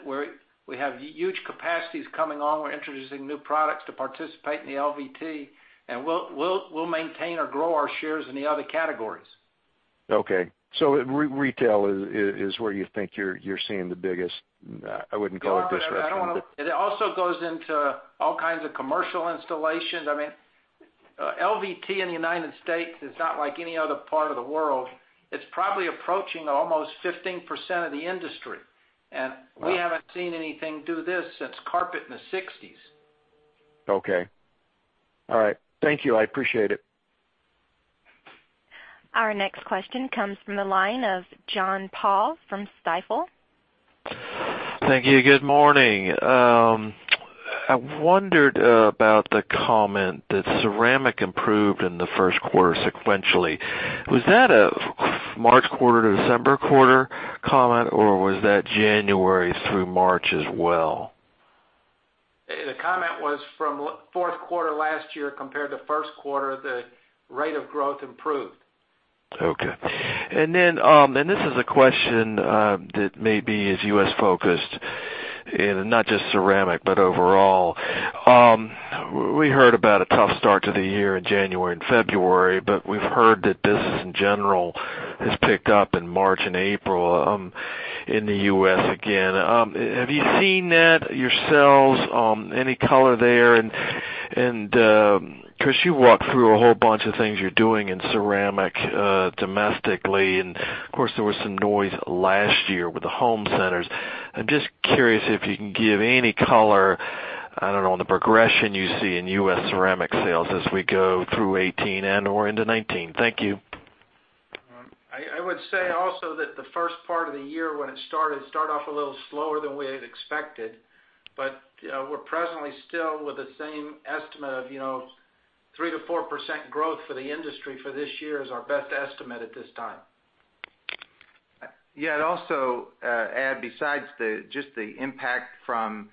we have huge capacities coming on. We're introducing new products to participate in the LVT, and we'll maintain or grow our shares in the other categories. Retail is where you think you're seeing the biggest, I wouldn't call it disruption. It also goes into all kinds of commercial installations. LVT in the U.S. is not like any other part of the world. It's probably approaching almost 15% of the industry, and we haven't seen anything do this since carpet in the '60s. Okay. All right. Thank you. I appreciate it. Our next question comes from the line of John Baugh from Stifel. Thank you. Good morning. I wondered about the comment that ceramic improved in the first quarter sequentially. Was that a March quarter to December quarter comment, or was that January through March as well? The comment was from fourth quarter last year compared to first quarter, the rate of growth improved. This is a question that may be is U.S.-focused in not just ceramic, but overall. We heard about a tough start to the year in January and February, but we've heard that business in general has picked up in March and April in the U.S. again. Have you seen that yourselves? Any color there? Chris, you walked through a whole bunch of things you're doing in ceramic domestically, and of course, there was some noise last year with the home centers. I'm just curious if you can give any color, I don't know, on the progression you see in U.S. ceramic sales as we go through 2018 and/or into 2019. Thank you. I would say also that the first part of the year when it started, it started off a little slower than we had expected. We're presently still with the same estimate of 3%-4% growth for the industry for this year is our best estimate at this time. Yeah, I'd also add, besides just the impact from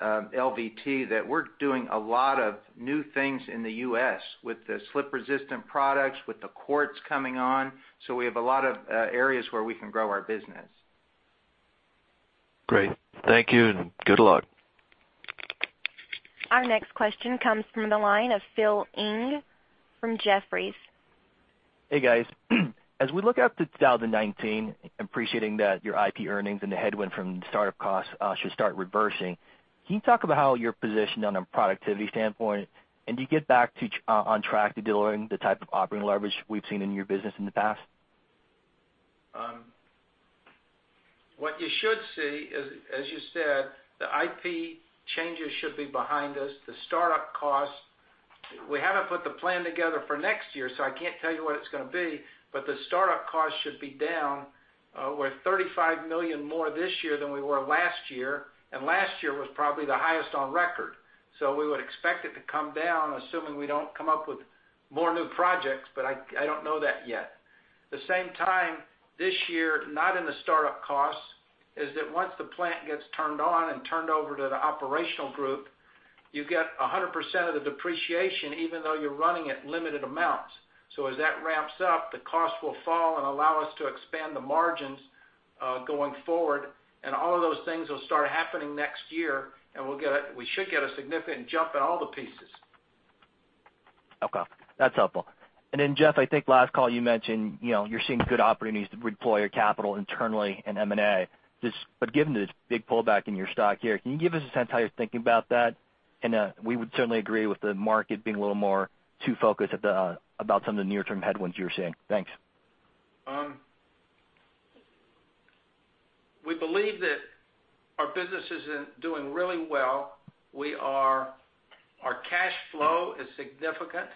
LVT, that we're doing a lot of new things in the U.S. with the slip-resistant products, with the quartz coming on. We have a lot of areas where we can grow our business. Great. Thank you, and good luck. Our next question comes from the line of Philip Ng from Jefferies. Hey, guys. As we look out to 2019, appreciating that your IP earnings and the headwind from the startup costs should start reversing, can you talk about how you're positioned on a productivity standpoint? Do you get back on track to delivering the type of operating leverage we've seen in your business in the past? What you should see is, as you said, the IP changes should be behind us. The startup costs, we haven't put the plan together for next year, I can't tell you what it's going to be, but the startup costs should be down. We're $35 million more this year than we were last year, and last year was probably the highest on record. We would expect it to come down, assuming we don't come up with more new projects, but I don't know that yet. The same time this year, not in the startup costs, is that once the plant gets turned on and turned over to the operational group, you get 100% of the depreciation, even though you're running at limited amounts. As that ramps up, the cost will fall allow us to expand the margins going forward, all of those things will start happening next year, we should get a significant jump in all the pieces. Okay. That's helpful. Jeff, I think last call you mentioned you're seeing good opportunities to redeploy your capital internally in M&A. Given this big pullback in your stock here, can you give us a sense how you're thinking about that? We would certainly agree with the market being a little more too focused about some of the near-term headwinds you were seeing. Thanks. We believe that our business is doing really well. Our cash flow is significant,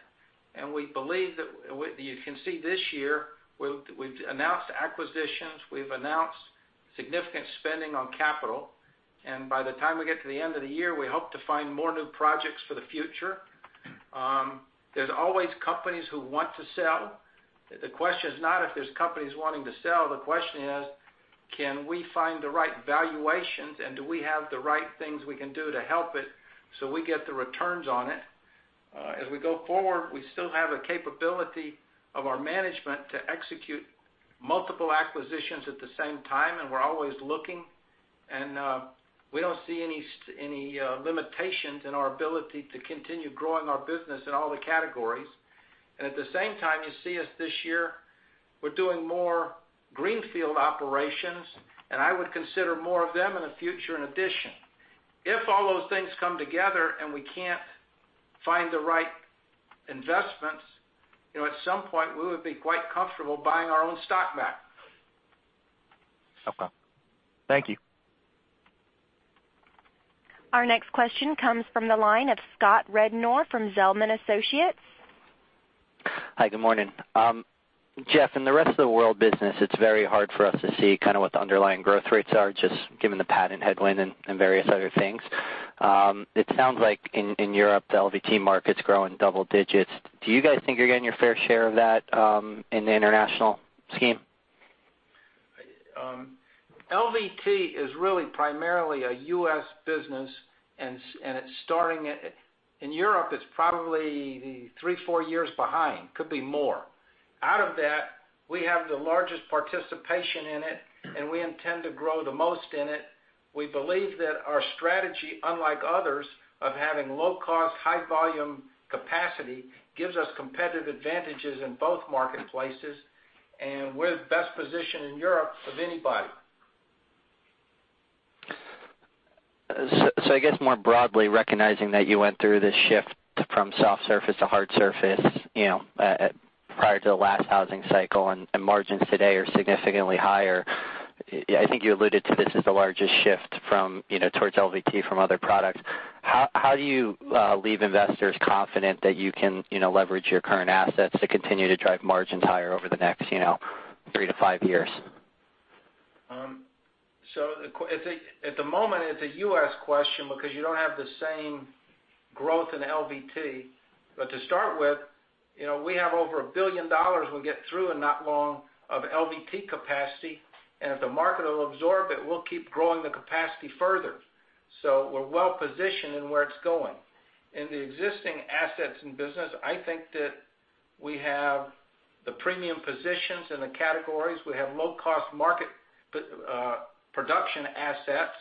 we believe that you can see this year we've announced acquisitions, we've announced significant spending on capital, by the time we get to the end of the year, we hope to find more new projects for the future. There's always companies who want to sell. The question is not if there's companies wanting to sell, the question is, can we find the right valuations and do we have the right things we can do to help it so we get the returns on it? As we go forward, we still have a capability of our management to execute multiple acquisitions at the same time, we're always looking, we don't see any limitations in our ability to continue growing our business in all the categories. At the same time, you see us this year, we're doing more greenfield operations, I would consider more of them in the future in addition. If all those things come together and we can't find the right investments, at some point, we would be quite comfortable buying our own stock back. Okay. Thank you. Our next question comes from the line of Scott Rednor from Zelman & Associates. Hi, good morning. Jeff, in the Flooring Rest of the World business, it's very hard for us to see kind of what the underlying growth rates are, just given the patent headwind and various other things. It sounds like in Europe, the LVT market's growing double digits. Do you guys think you're getting your fair share of that in the international scheme? LVT is really primarily a U.S. business. In Europe, it's probably three, four years behind. Could be more. Out of that, we have the largest participation in it, and we intend to grow the most in it. We believe that our strategy, unlike others, of having low cost, high volume capacity, gives us competitive advantages in both marketplaces. We're the best positioned in Europe of anybody. I guess more broadly, recognizing that you went through this shift from soft surface to hard surface, prior to the last housing cycle and margins today are significantly higher, I think you alluded to this as the largest shift towards LVT from other products. How do you leave investors confident that you can leverage your current assets to continue to drive margins higher over the next three to five years? At the moment, it's a U.S. question because you don't have the same growth in LVT. To start with, we have over $1 billion we'll get through in not long of LVT capacity, and if the market will absorb it, we'll keep growing the capacity further. We're well positioned in where it's going. In the existing assets and business, I think that we have the premium positions in the categories. We have low cost market production assets,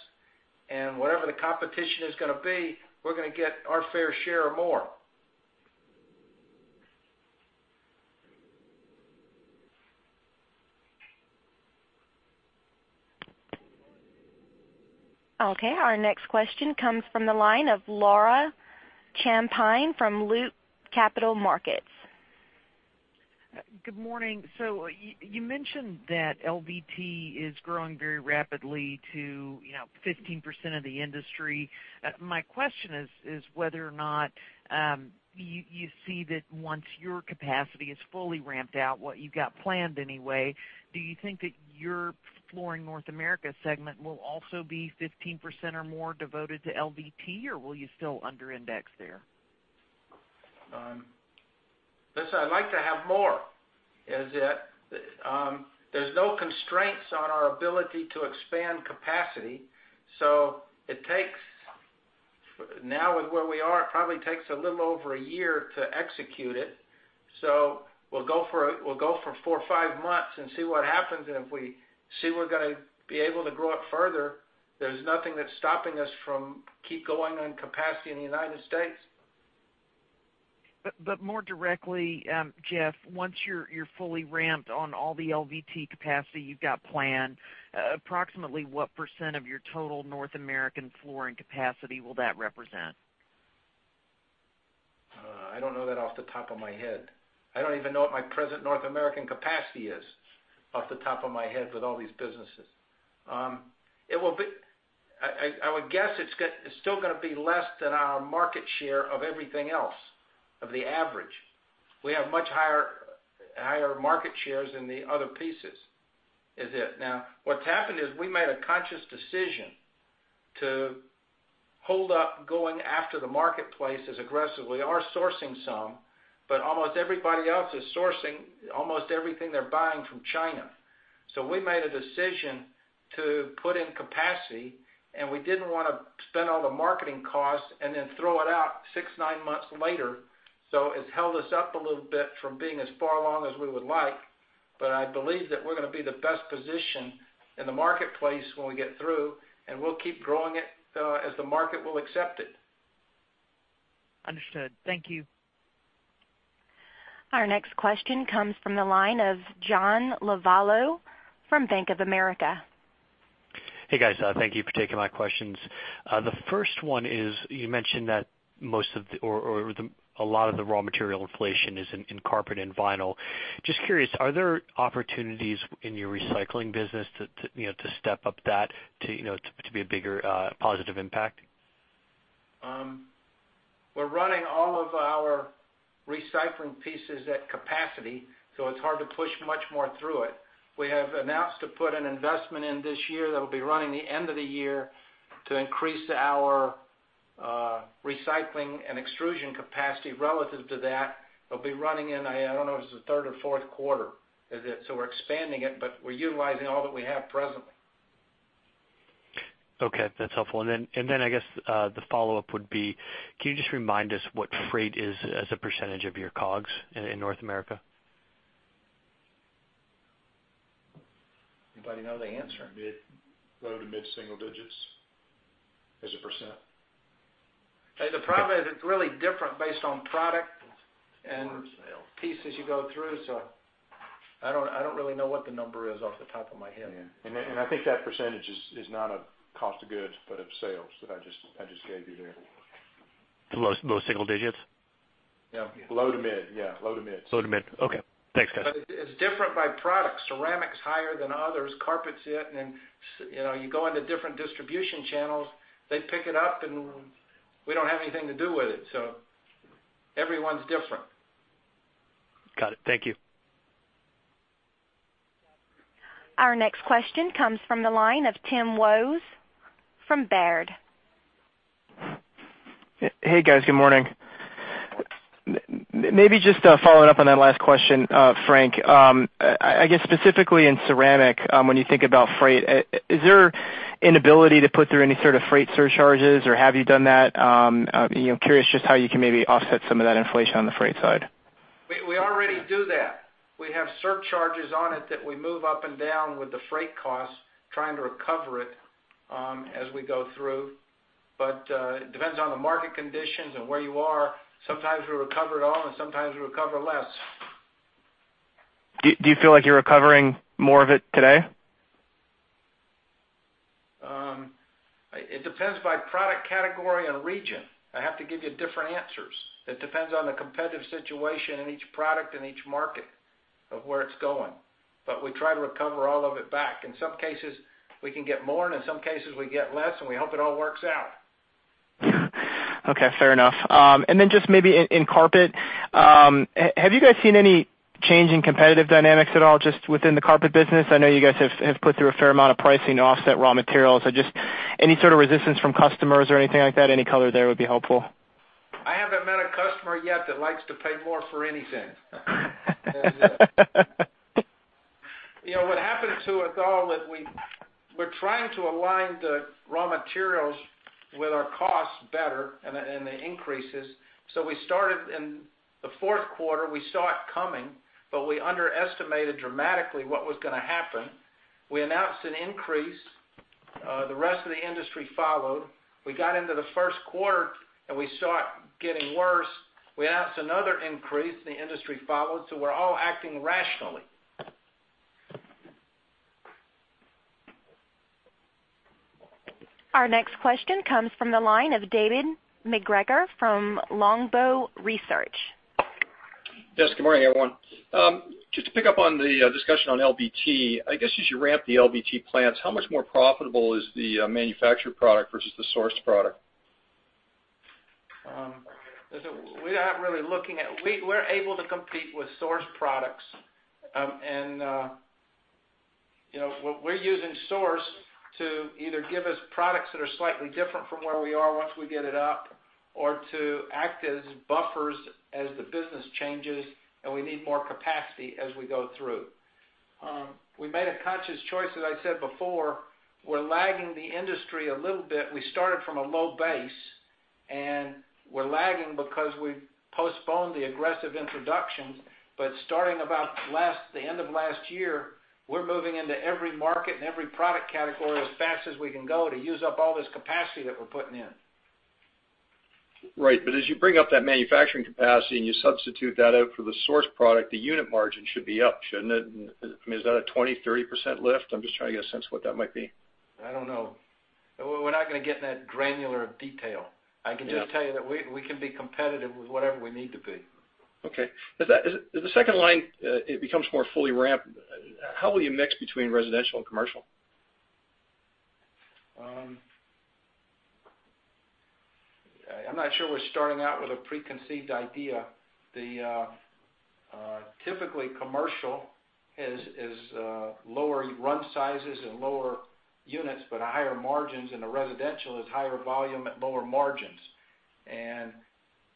whatever the competition is going to be, we're going to get our fair share or more. Our next question comes from the line of Laura Champine from Loop Capital Markets. Good morning. You mentioned that LVT is growing very rapidly to 15% of the industry. My question is whether or not you see that once your capacity is fully ramped out, what you've got planned anyway, do you think that your Flooring North America segment will also be 15% or more devoted to LVT, or will you still under index there? Listen, I'd like to have more. There's no constraints on our ability to expand capacity. It takes, now with where we are, it probably takes a little over a year to execute it. We'll go for four or five months and see what happens. If we see we're going to be able to grow it further, there's nothing that's stopping us from keep going on capacity in the U.S. More directly, Jeff, once you're fully ramped on all the LVT capacity you've got planned, approximately what % of your total North American flooring capacity will that represent? I don't know that off the top of my head. I don't even know what my present North American capacity is off the top of my head with all these businesses. I would guess it's still going to be less than our market share of everything else, of the average. We have much higher market shares in the other pieces. What's happened is we made a conscious decision to hold up going after the marketplace as aggressively. We are sourcing some, but almost everybody else is sourcing almost everything they're buying from China. We made a decision to put in capacity, and we didn't want to spend all the marketing costs and then throw it out six, nine months later. It's held us up a little bit from being as far along as we would like. I believe that we're going to be the best positioned in the marketplace when we get through, and we'll keep growing it as the market will accept it. Understood. Thank you. Our next question comes from the line of John Lovallo from Bank of America. Hey, guys. Thank you for taking my questions. The first one is, you mentioned that a lot of the raw material inflation is in carpet and vinyl. Just curious, are there opportunities in your recycling business to step up that to be a bigger positive impact? We're running all of our recycling pieces at capacity, it's hard to push much more through it. We have announced to put an investment in this year that'll be running the end of the year to increase our recycling and extrusion capacity relative to that. It'll be running in, I don't know if it's the third or fourth quarter. We're expanding it, but we're utilizing all that we have presently. Okay, that's helpful. I guess the follow-up would be, can you just remind us what freight is as a % of your COGS in North America? Anybody know the answer? Mid. Low to mid-single digits as a %. The problem is it's really different based on product and pieces you go through. I don't really know what the number is off the top of my head. Yeah. I think that % is not a COGS, but of sales that I just gave you there. Low single digits? Yeah. Low to mid. Yeah. Low to mid. Low to mid. Okay. Thanks, guys. It's different by product. Ceramic's higher than others. Carpet's it, and you go into different distribution channels, they pick it up, and we don't have anything to do with it. Everyone's different. Got it. Thank you. Our next question comes from the line of Timothy Wojs from Baird. Hey, guys. Good morning. Maybe just following up on that last question, Frank. I guess specifically in ceramic, when you think about freight, is there inability to put through any sort of freight surcharges, or have you done that? Curious just how you can maybe offset some of that inflation on the freight side. We already do that. We have surcharges on it that we move up and down with the freight costs, trying to recover it as we go through. It depends on the market conditions and where you are. Sometimes we recover it all, and sometimes we recover less. Do you feel like you're recovering more of it today? It depends by product category and region. I have to give you different answers. It depends on the competitive situation in each product and each market of where it's going. We try to recover all of it back. In some cases, we can get more, in some cases, we get less, and we hope it all works out. Okay, fair enough. Then just maybe in carpet, have you guys seen any change in competitive dynamics at all just within the carpet business? I know you guys have put through a fair amount of pricing to offset raw materials. Just any sort of resistance from customers or anything like that, any color there would be helpful. I haven't met a customer yet that likes to pay more for anything. What happened to it all that we're trying to align the raw materials with our costs better and the increases. We started in the fourth quarter, we saw it coming, we underestimated dramatically what was going to happen. We announced an increase. The rest of the industry followed. We got into the first quarter, we saw it getting worse. We announced another increase, the industry followed. We're all acting rationally. Our next question comes from the line of David MacGregor from Longbow Research. Yes, good morning, everyone. Just to pick up on the discussion on LVT. I guess as you ramp the LVT plants, how much more profitable is the manufactured product versus the sourced product? We're able to compete with sourced products. We're using source to either give us products that are slightly different from where we are once we get it up, or to act as buffers as the business changes and we need more capacity as we go through. We made a conscious choice, as I said before, we're lagging the industry a little bit. We started from a low base, and we're lagging because we postponed the aggressive introductions. Starting about the end of last year, we're moving into every market and every product category as fast as we can go to use up all this capacity that we're putting in. Right. As you bring up that manufacturing capacity and you substitute that out for the sourced product, the unit margin should be up, shouldn't it? I mean, is that a 20%, 30% lift? I'm just trying to get a sense of what that might be. I don't know. We're not going to get in that granular of detail. Yeah. I can just tell you that we can be competitive with whatever we need to be. Okay. As the second line it becomes more fully ramped, how will you mix between residential and commercial? I'm not sure we're starting out with a preconceived idea. Typically, commercial is lower run sizes and lower units, but higher margins, and the residential is higher volume at lower margins.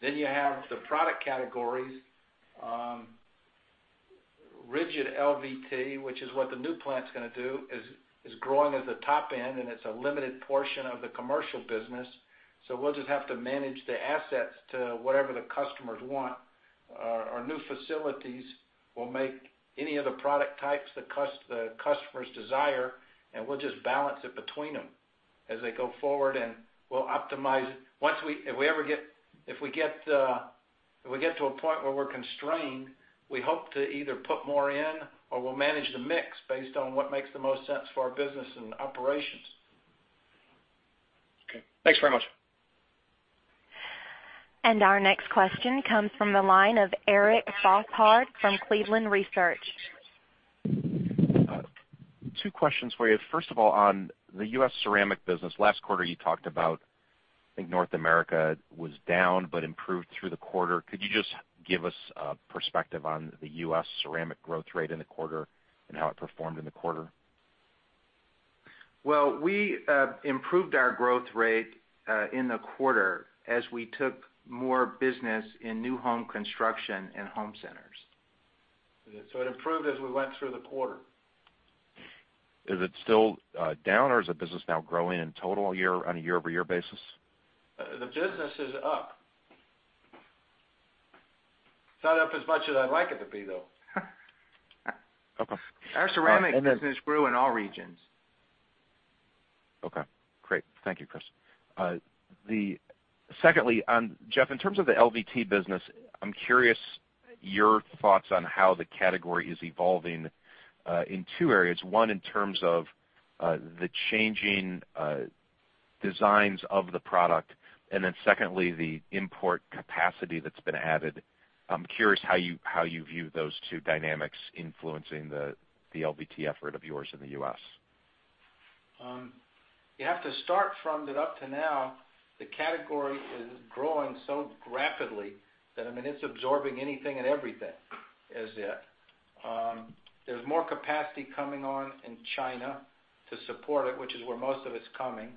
You have the product categories. Rigid LVT, which is what the new plant's going to do, is growing at the top end, and it's a limited portion of the commercial business. We'll just have to manage the assets to whatever the customers want. Our new facilities will make any of the product types the customers desire, and we'll just balance it between them. As they go forward, and we'll optimize it. If we get to a point where we're constrained, we hope to either put more in or we'll manage the mix based on what makes the most sense for our business and operations. Okay. Thanks very much. Our next question comes from the line of Eric Bosshard from Cleveland Research. Two questions for you. First of all, on the U.S. ceramic business, last quarter you talked about, I think North America was down but improved through the quarter. Could you just give us a perspective on the U.S. ceramic growth rate in the quarter and how it performed in the quarter? We improved our growth rate in the quarter as we took more business in new home construction and home centers. It improved as we went through the quarter. Is it still down or is the business now growing in total on a year-over-year basis? The business is up. It's not up as much as I'd like it to be, though. Okay. Our ceramic business grew in all regions. Okay, great. Thank you, Chris. Secondly, Jeff, in terms of the LVT business, I'm curious your thoughts on how the category is evolving in two areas. One, in terms of the changing designs of the product, and then secondly, the import capacity that's been added. I'm curious how you view those two dynamics influencing the LVT effort of yours in the U.S. You have to start from that up to now, the category is growing so rapidly that, I mean, it's absorbing anything and everything, as yet. There's more capacity coming on in China to support it, which is where most of it's coming.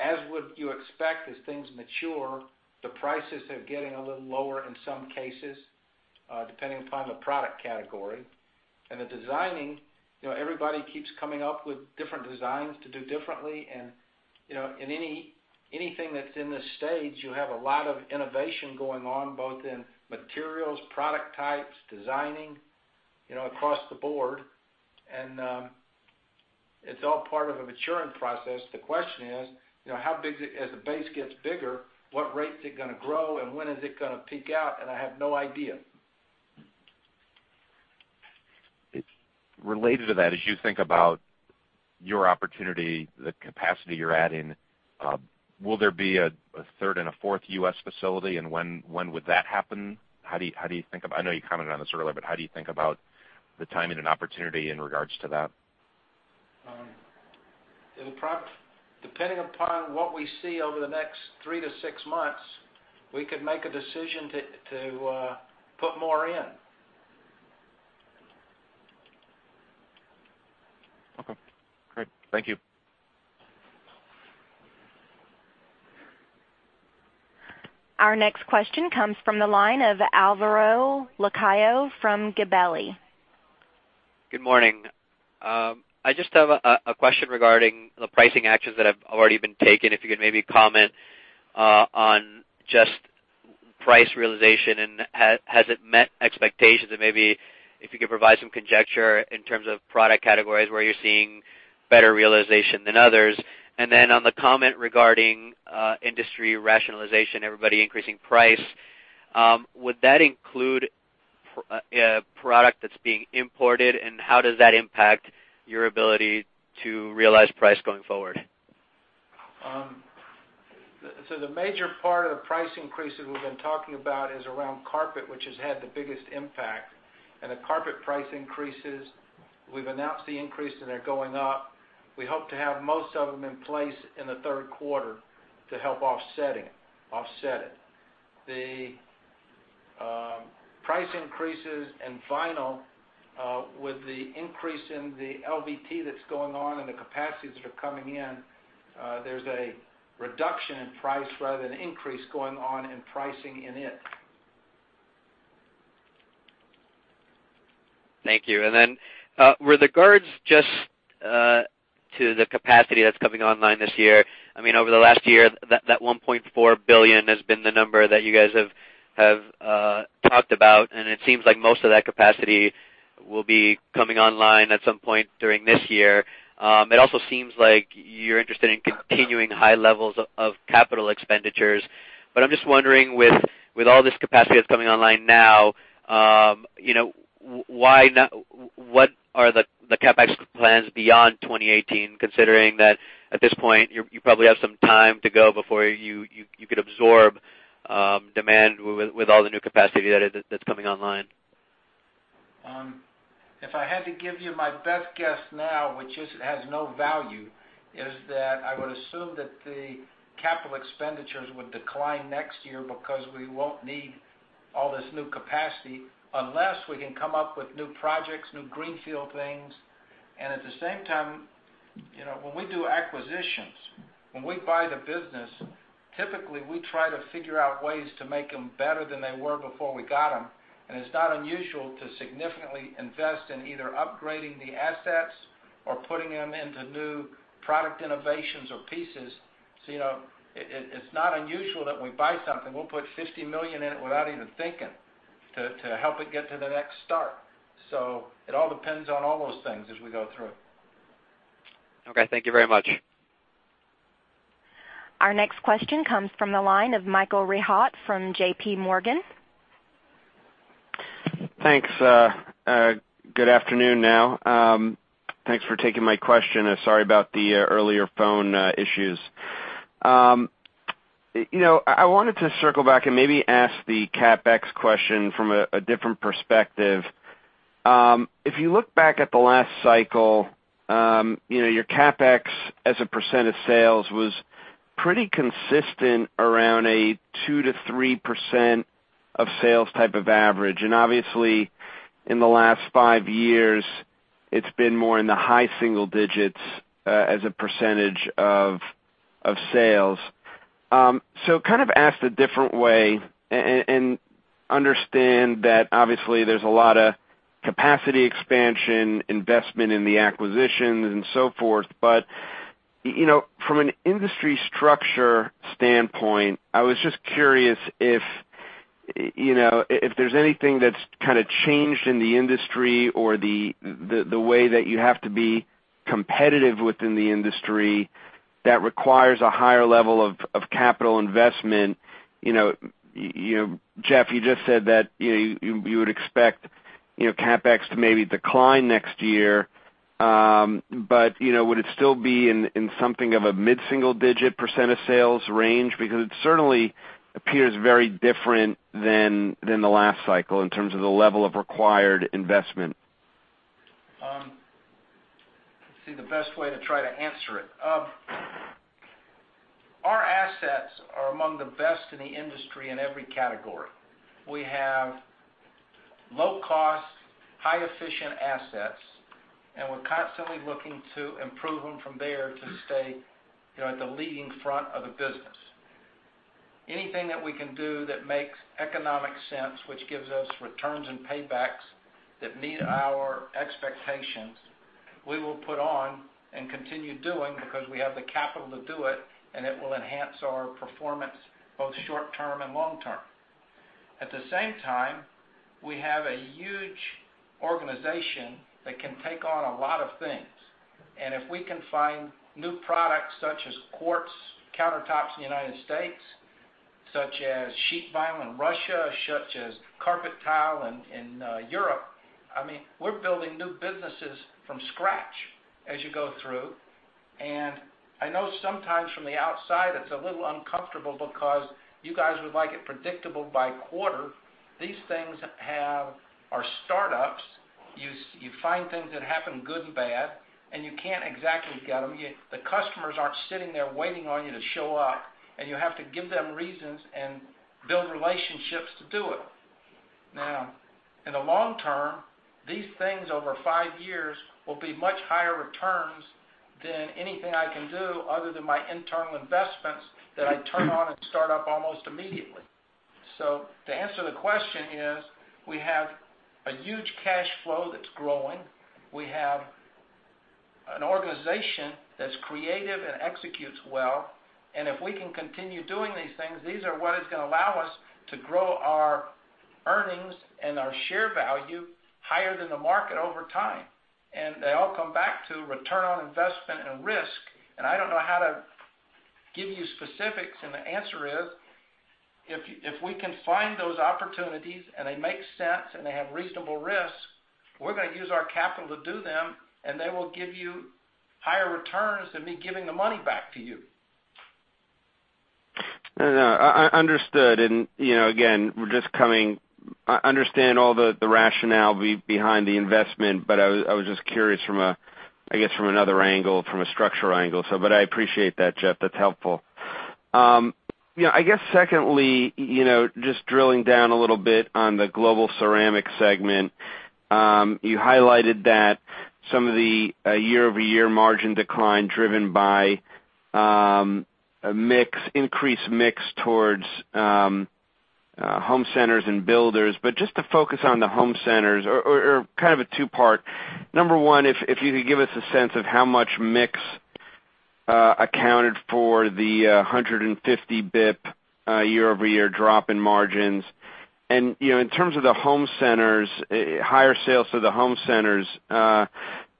As would you expect as things mature, the prices are getting a little lower in some cases, depending upon the product category. The designing, everybody keeps coming up with different designs to do differently, and anything that's in this stage, you have a lot of innovation going on, both in materials, product types, designing, across the board, and it's all part of a maturing process. The question is, as the base gets bigger, what rate is it going to grow and when is it going to peak out? I have no idea. Related to that, as you think about your opportunity, the capacity you're adding, will there be a third and a fourth U.S. facility, and when would that happen? I know you commented on this earlier, but how do you think about the timing and opportunity in regards to that? Depending upon what we see over the next three to six months, we could make a decision to put more in. Okay, great. Thank you. Our next question comes from the line of Alvaro Lacayo from Gabelli. Good morning. I just have a question regarding the pricing actions that have already been taken, if you could maybe comment on just price realization, and has it met expectations? Maybe if you could provide some conjecture in terms of product categories where you're seeing better realization than others. On the comment regarding industry rationalization, everybody increasing price, would that include a product that's being imported, and how does that impact your ability to realize price going forward? The major part of the price increases we've been talking about is around carpet, which has had the biggest impact. The carpet price increases, we've announced the increase, and they're going up. We hope to have most of them in place in the third quarter to help offset it. The price increases in vinyl with the increase in the LVT that's going on and the capacities that are coming in, there's a reduction in price rather than increase going on in pricing in it. Thank you. With regards just to the capacity that's coming online this year, over the last year, that $1.4 billion has been the number that you guys have talked about, and it seems like most of that capacity will be coming online at some point during this year. It also seems like you're interested in continuing high levels of capital expenditures. I'm just wondering, with all this capacity that's coming online now, what are the CapEx plans beyond 2018, considering that at this point, you probably have some time to go before you could absorb demand with all the new capacity that's coming online? If I had to give you my best guess now, which has no value, is that I would assume that the capital expenditures would decline next year because we won't need all this new capacity unless we can come up with new projects, new greenfield things. At the same time, when we do acquisitions, when we buy the business, typically, we try to figure out ways to make them better than they were before we got them. It's not unusual to significantly invest in either upgrading the assets or putting them into new product innovations or pieces. It's not unusual that we buy something, we'll put $50 million in it without even thinking. To help it get to the next start. It all depends on all those things as we go through. Okay, thank you very much. Our next question comes from the line of Michael Rehaut from JPMorgan. Thanks. Good afternoon now. Thanks for taking my question. Sorry about the earlier phone issues. I wanted to circle back and maybe ask the CapEx question from a different perspective. If you look back at the last cycle, your CapEx as a percent of sales was pretty consistent around a 2%-3% of sales type of average. Obviously, in the last five years, it's been more in the high single digits as a percentage of sales. Kind of asked a different way, and understand that obviously there's a lot of capacity expansion, investment in the acquisitions and so forth, but from an industry structure standpoint, I was just curious if there's anything that's kind of changed in the industry or the way that you have to be competitive within the industry that requires a higher level of capital investment. Jeff, you just said that you would expect CapEx to maybe decline next year. Would it still be in something of a mid-single digit percent of sales range? Because it certainly appears very different than the last cycle in terms of the level of required investment. Let's see the best way to try to answer it. Our assets are among the best in the industry in every category. We have low-cost, high-efficient assets, and we're constantly looking to improve them from there to stay at the leading front of the business. Anything that we can do that makes economic sense, which gives us returns and paybacks that meet our expectations, we will put on and continue doing because we have the capital to do it, and it will enhance our performance both short-term and long-term. At the same time, we have a huge organization that can take on a lot of things. If we can find new products such as quartz countertops in the U.S., such as sheet vinyl in Russia, such as carpet tile in Europe, we're building new businesses from scratch as you go through. I know sometimes from the outside it's a little uncomfortable because you guys would like it predictable by quarter. These things are startups. You find things that happen good and bad, and you can't exactly get them. The customers aren't sitting there waiting on you to show up, and you have to give them reasons and build relationships to do it. Now, in the long term, these things over five years will be much higher returns than anything I can do other than my internal investments that I turn on and start up almost immediately. To answer the question is, we have a huge cash flow that's growing. We have an organization that's creative and executes well, and if we can continue doing these things, these are what is going to allow us to grow our earnings and our share value higher than the market over time. They all come back to return on investment and risk, and I don't know how to give you specifics, and the answer is, if we can find those opportunities and they make sense and they have reasonable risk, we're going to use our capital to do them, and they will give you higher returns than me giving the money back to you. Understood. Again, I understand all the rationale behind the investment, but I was just curious from another angle, from a structural angle. I appreciate that, Jeff. That's helpful. I guess secondly, just drilling down a little bit on the Global Ceramic segment. You highlighted that some of the year-over-year margin decline driven by increased mix towards home centers and builders. Just to focus on the home centers or kind of a two-part. Number 1, if you could give us a sense of how much mix accounted for the 150 basis points year-over-year drop in margins. In terms of the home centers, higher sales to the home centers for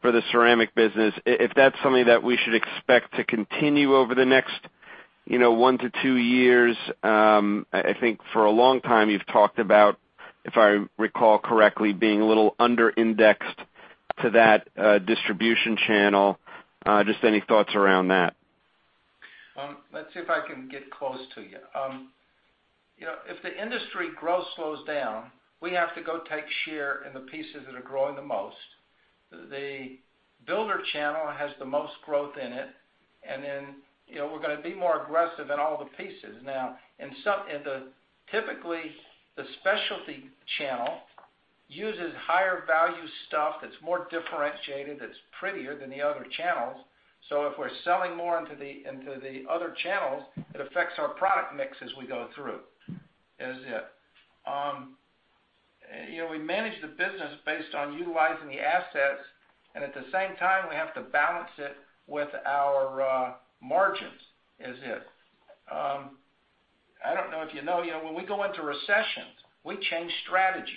the ceramic business, if that's something that we should expect to continue over the next one to two years. I think for a long time you've talked about, if I recall correctly, being a little under-indexed to that distribution channel. Just any thoughts around that? Let's see if I can get close to you. If the industry growth slows down, we have to go take share in the pieces that are growing the most. The builder channel has the most growth in it. Then we're going to be more aggressive in all the pieces. Typically, the specialty channel uses higher value stuff that's more differentiated, that's prettier than the other channels. If we're selling more into the other channels, it affects our product mix as we go through. We manage the business based on utilizing the assets. At the same time, we have to balance it with our margins. Is it? I don't know if you know, when we go into recessions, we change strategies.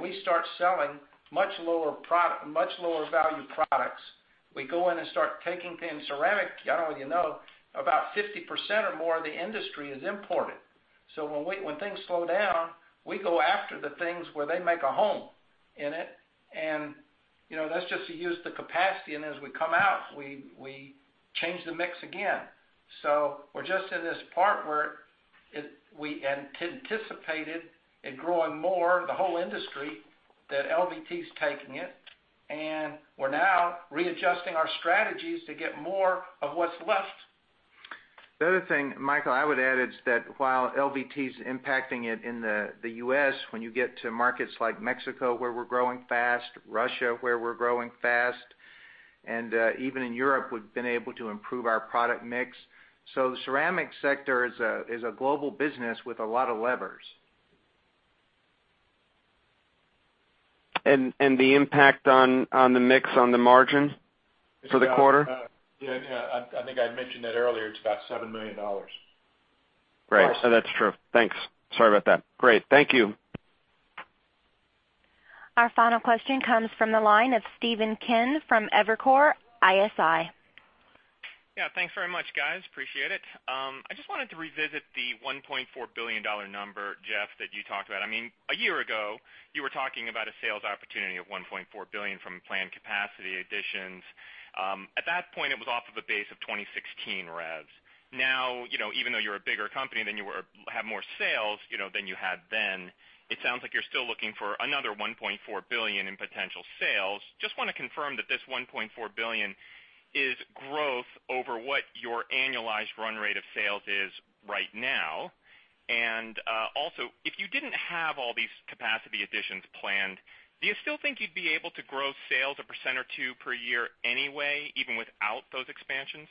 We start selling much lower value products. We go in and start taking in ceramic. You know about 50% or more of the industry is imported. When things slow down, we go after the things where they make a home in it. That's just to use the capacity. As we come out, we change the mix again. We're just in this part where we anticipated it growing more, the whole industry, that LVT's taking it. We're now readjusting our strategies to get more of what's left. The other thing, Michael, I would add is that while LVT is impacting it in the U.S., when you get to markets like Mexico, where we're growing fast, Russia, where we're growing fast, and even in Europe, we've been able to improve our product mix. The ceramic sector is a global business with a lot of levers. The impact on the mix on the margin for the quarter? Yeah. I think I mentioned that earlier. It's about $7 million. Right. That's true. Thanks. Sorry about that. Great. Thank you. Our final question comes from the line of Stephen Kim from Evercore ISI. Yeah. Thanks very much, guys. Appreciate it. I just wanted to revisit the $1.4 billion number, Jeff, that you talked about. A year ago, you were talking about a sales opportunity of $1.4 billion from planned capacity additions. At that point, it was off of a base of 2016 revs. Now, even though you're a bigger company than you were, have more sales than you had then, it sounds like you're still looking for another $1.4 billion in potential sales. Just want to confirm that this $1.4 billion is growth over what your annualized run rate of sales is right now. Also, if you didn't have all these capacity additions planned, do you still think you'd be able to grow sales a percent or two per year anyway, even without those expansions?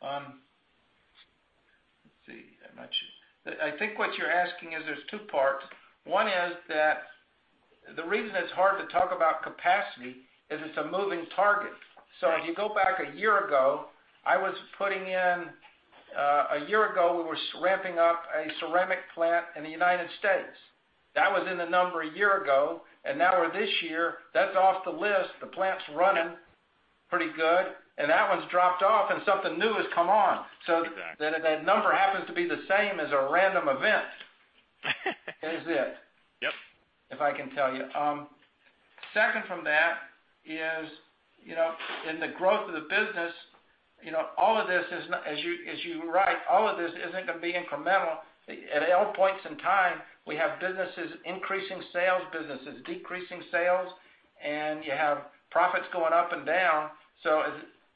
Let's see. I think what you're asking is there's two parts. One is that the reason it's hard to talk about capacity is it's a moving target. If you go back a year ago, we were ramping up a ceramic plant in the U.S. That was in the number a year ago, and now this year, that's off the list. The plant's running pretty good, and that one's dropped off, and something new has come on. Exactly. That number happens to be the same as a random event. Is it? Yep. If I can tell you. Second from that is in the growth of the business, as you write, all of this isn't going to be incremental. At all points in time, we have businesses increasing sales, businesses decreasing sales, and you have profits going up and down.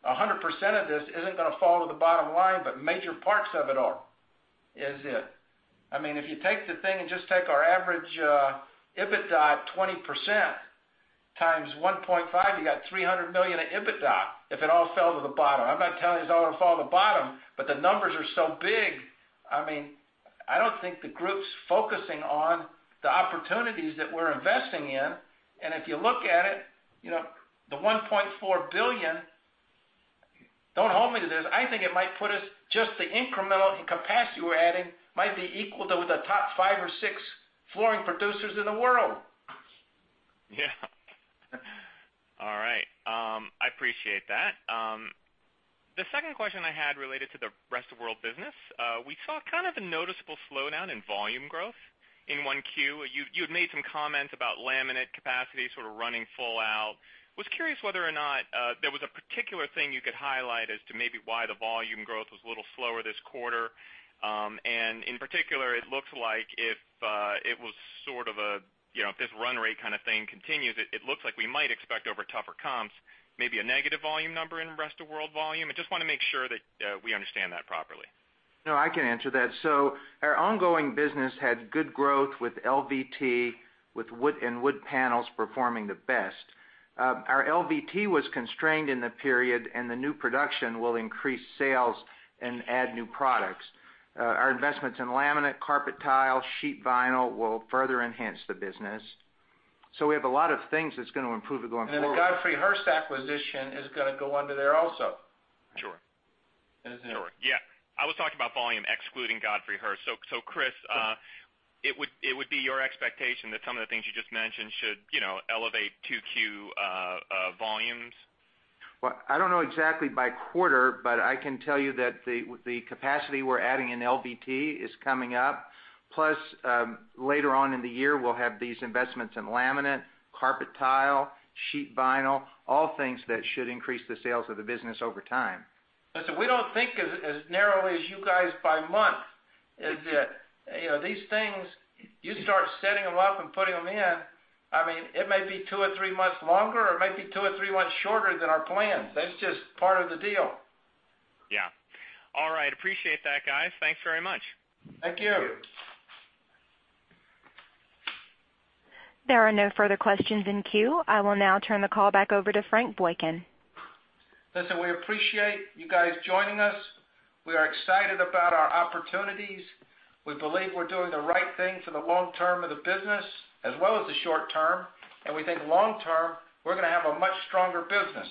100% of this isn't going to fall to the bottom line, but major parts of it are. Is it? If you take the thing and just take our average EBITDA of 20% times 1.5, you got $300 million of EBITDA if it all fell to the bottom. I'm not telling you it's all going to fall to the bottom, but the numbers are so big. I don't think the group's focusing on the opportunities that we're investing in. If you look at it, the $1.4 billion, don't hold me to this, I think it might put us just the incremental in capacity we're adding might be equal to the top five or six flooring producers in the world. Yeah. All right. I appreciate that. The second question I had related to the Rest of World business. We saw kind of a noticeable slowdown in volume growth in 1Q. You had made some comments about laminate capacity sort of running full out. Was curious whether or not there was a particular thing you could highlight as to maybe why the volume growth was a little slower this quarter. In particular, it looks like if this run rate kind of thing continues, it looks like we might expect over tougher comps, maybe a negative volume number in Rest of World volume. I just want to make sure that we understand that properly. No, I can answer that. Our ongoing business had good growth with LVT, and wood panels performing the best. Our LVT was constrained in the period, and the new production will increase sales and add new products. Our investments in laminate, carpet tile, sheet vinyl will further enhance the business. We have a lot of things that's going to improve it going forward. The Godfrey Hirst acquisition is going to go under there also. Sure. Isn't it? Yeah. I was talking about volume excluding Godfrey Hirst. Chris, it would be your expectation that some of the things you just mentioned should elevate 2Q volumes? Well, I don't know exactly by quarter, but I can tell you that the capacity we're adding in LVT is coming up. Plus, later on in the year, we'll have these investments in laminate, carpet tile, sheet vinyl, all things that should increase the sales of the business over time. Listen, we don't think as narrowly as you guys by month. Is it? These things, you start setting them up and putting them in. It may be two or three months longer or it might be two or three months shorter than our plans. That's just part of the deal. Yeah. All right. Appreciate that, guys. Thanks very much. Thank you. There are no further questions in queue. I will now turn the call back over to Frank Boykin. Listen, we appreciate you guys joining us. We are excited about our opportunities. We believe we're doing the right thing for the long term of the business as well as the short term, and we think long term, we're going to have a much stronger business.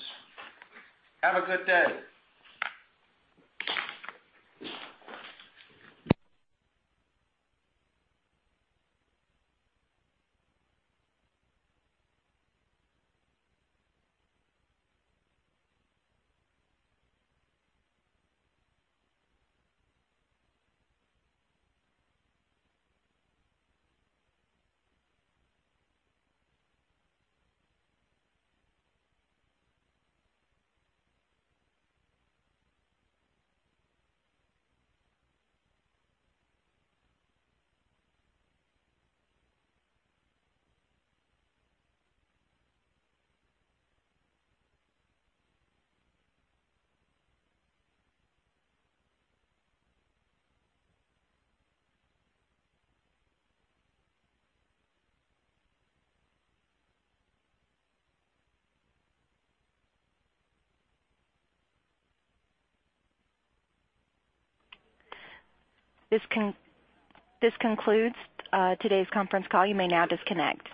Have a good day. This concludes today's conference call. You may now disconnect.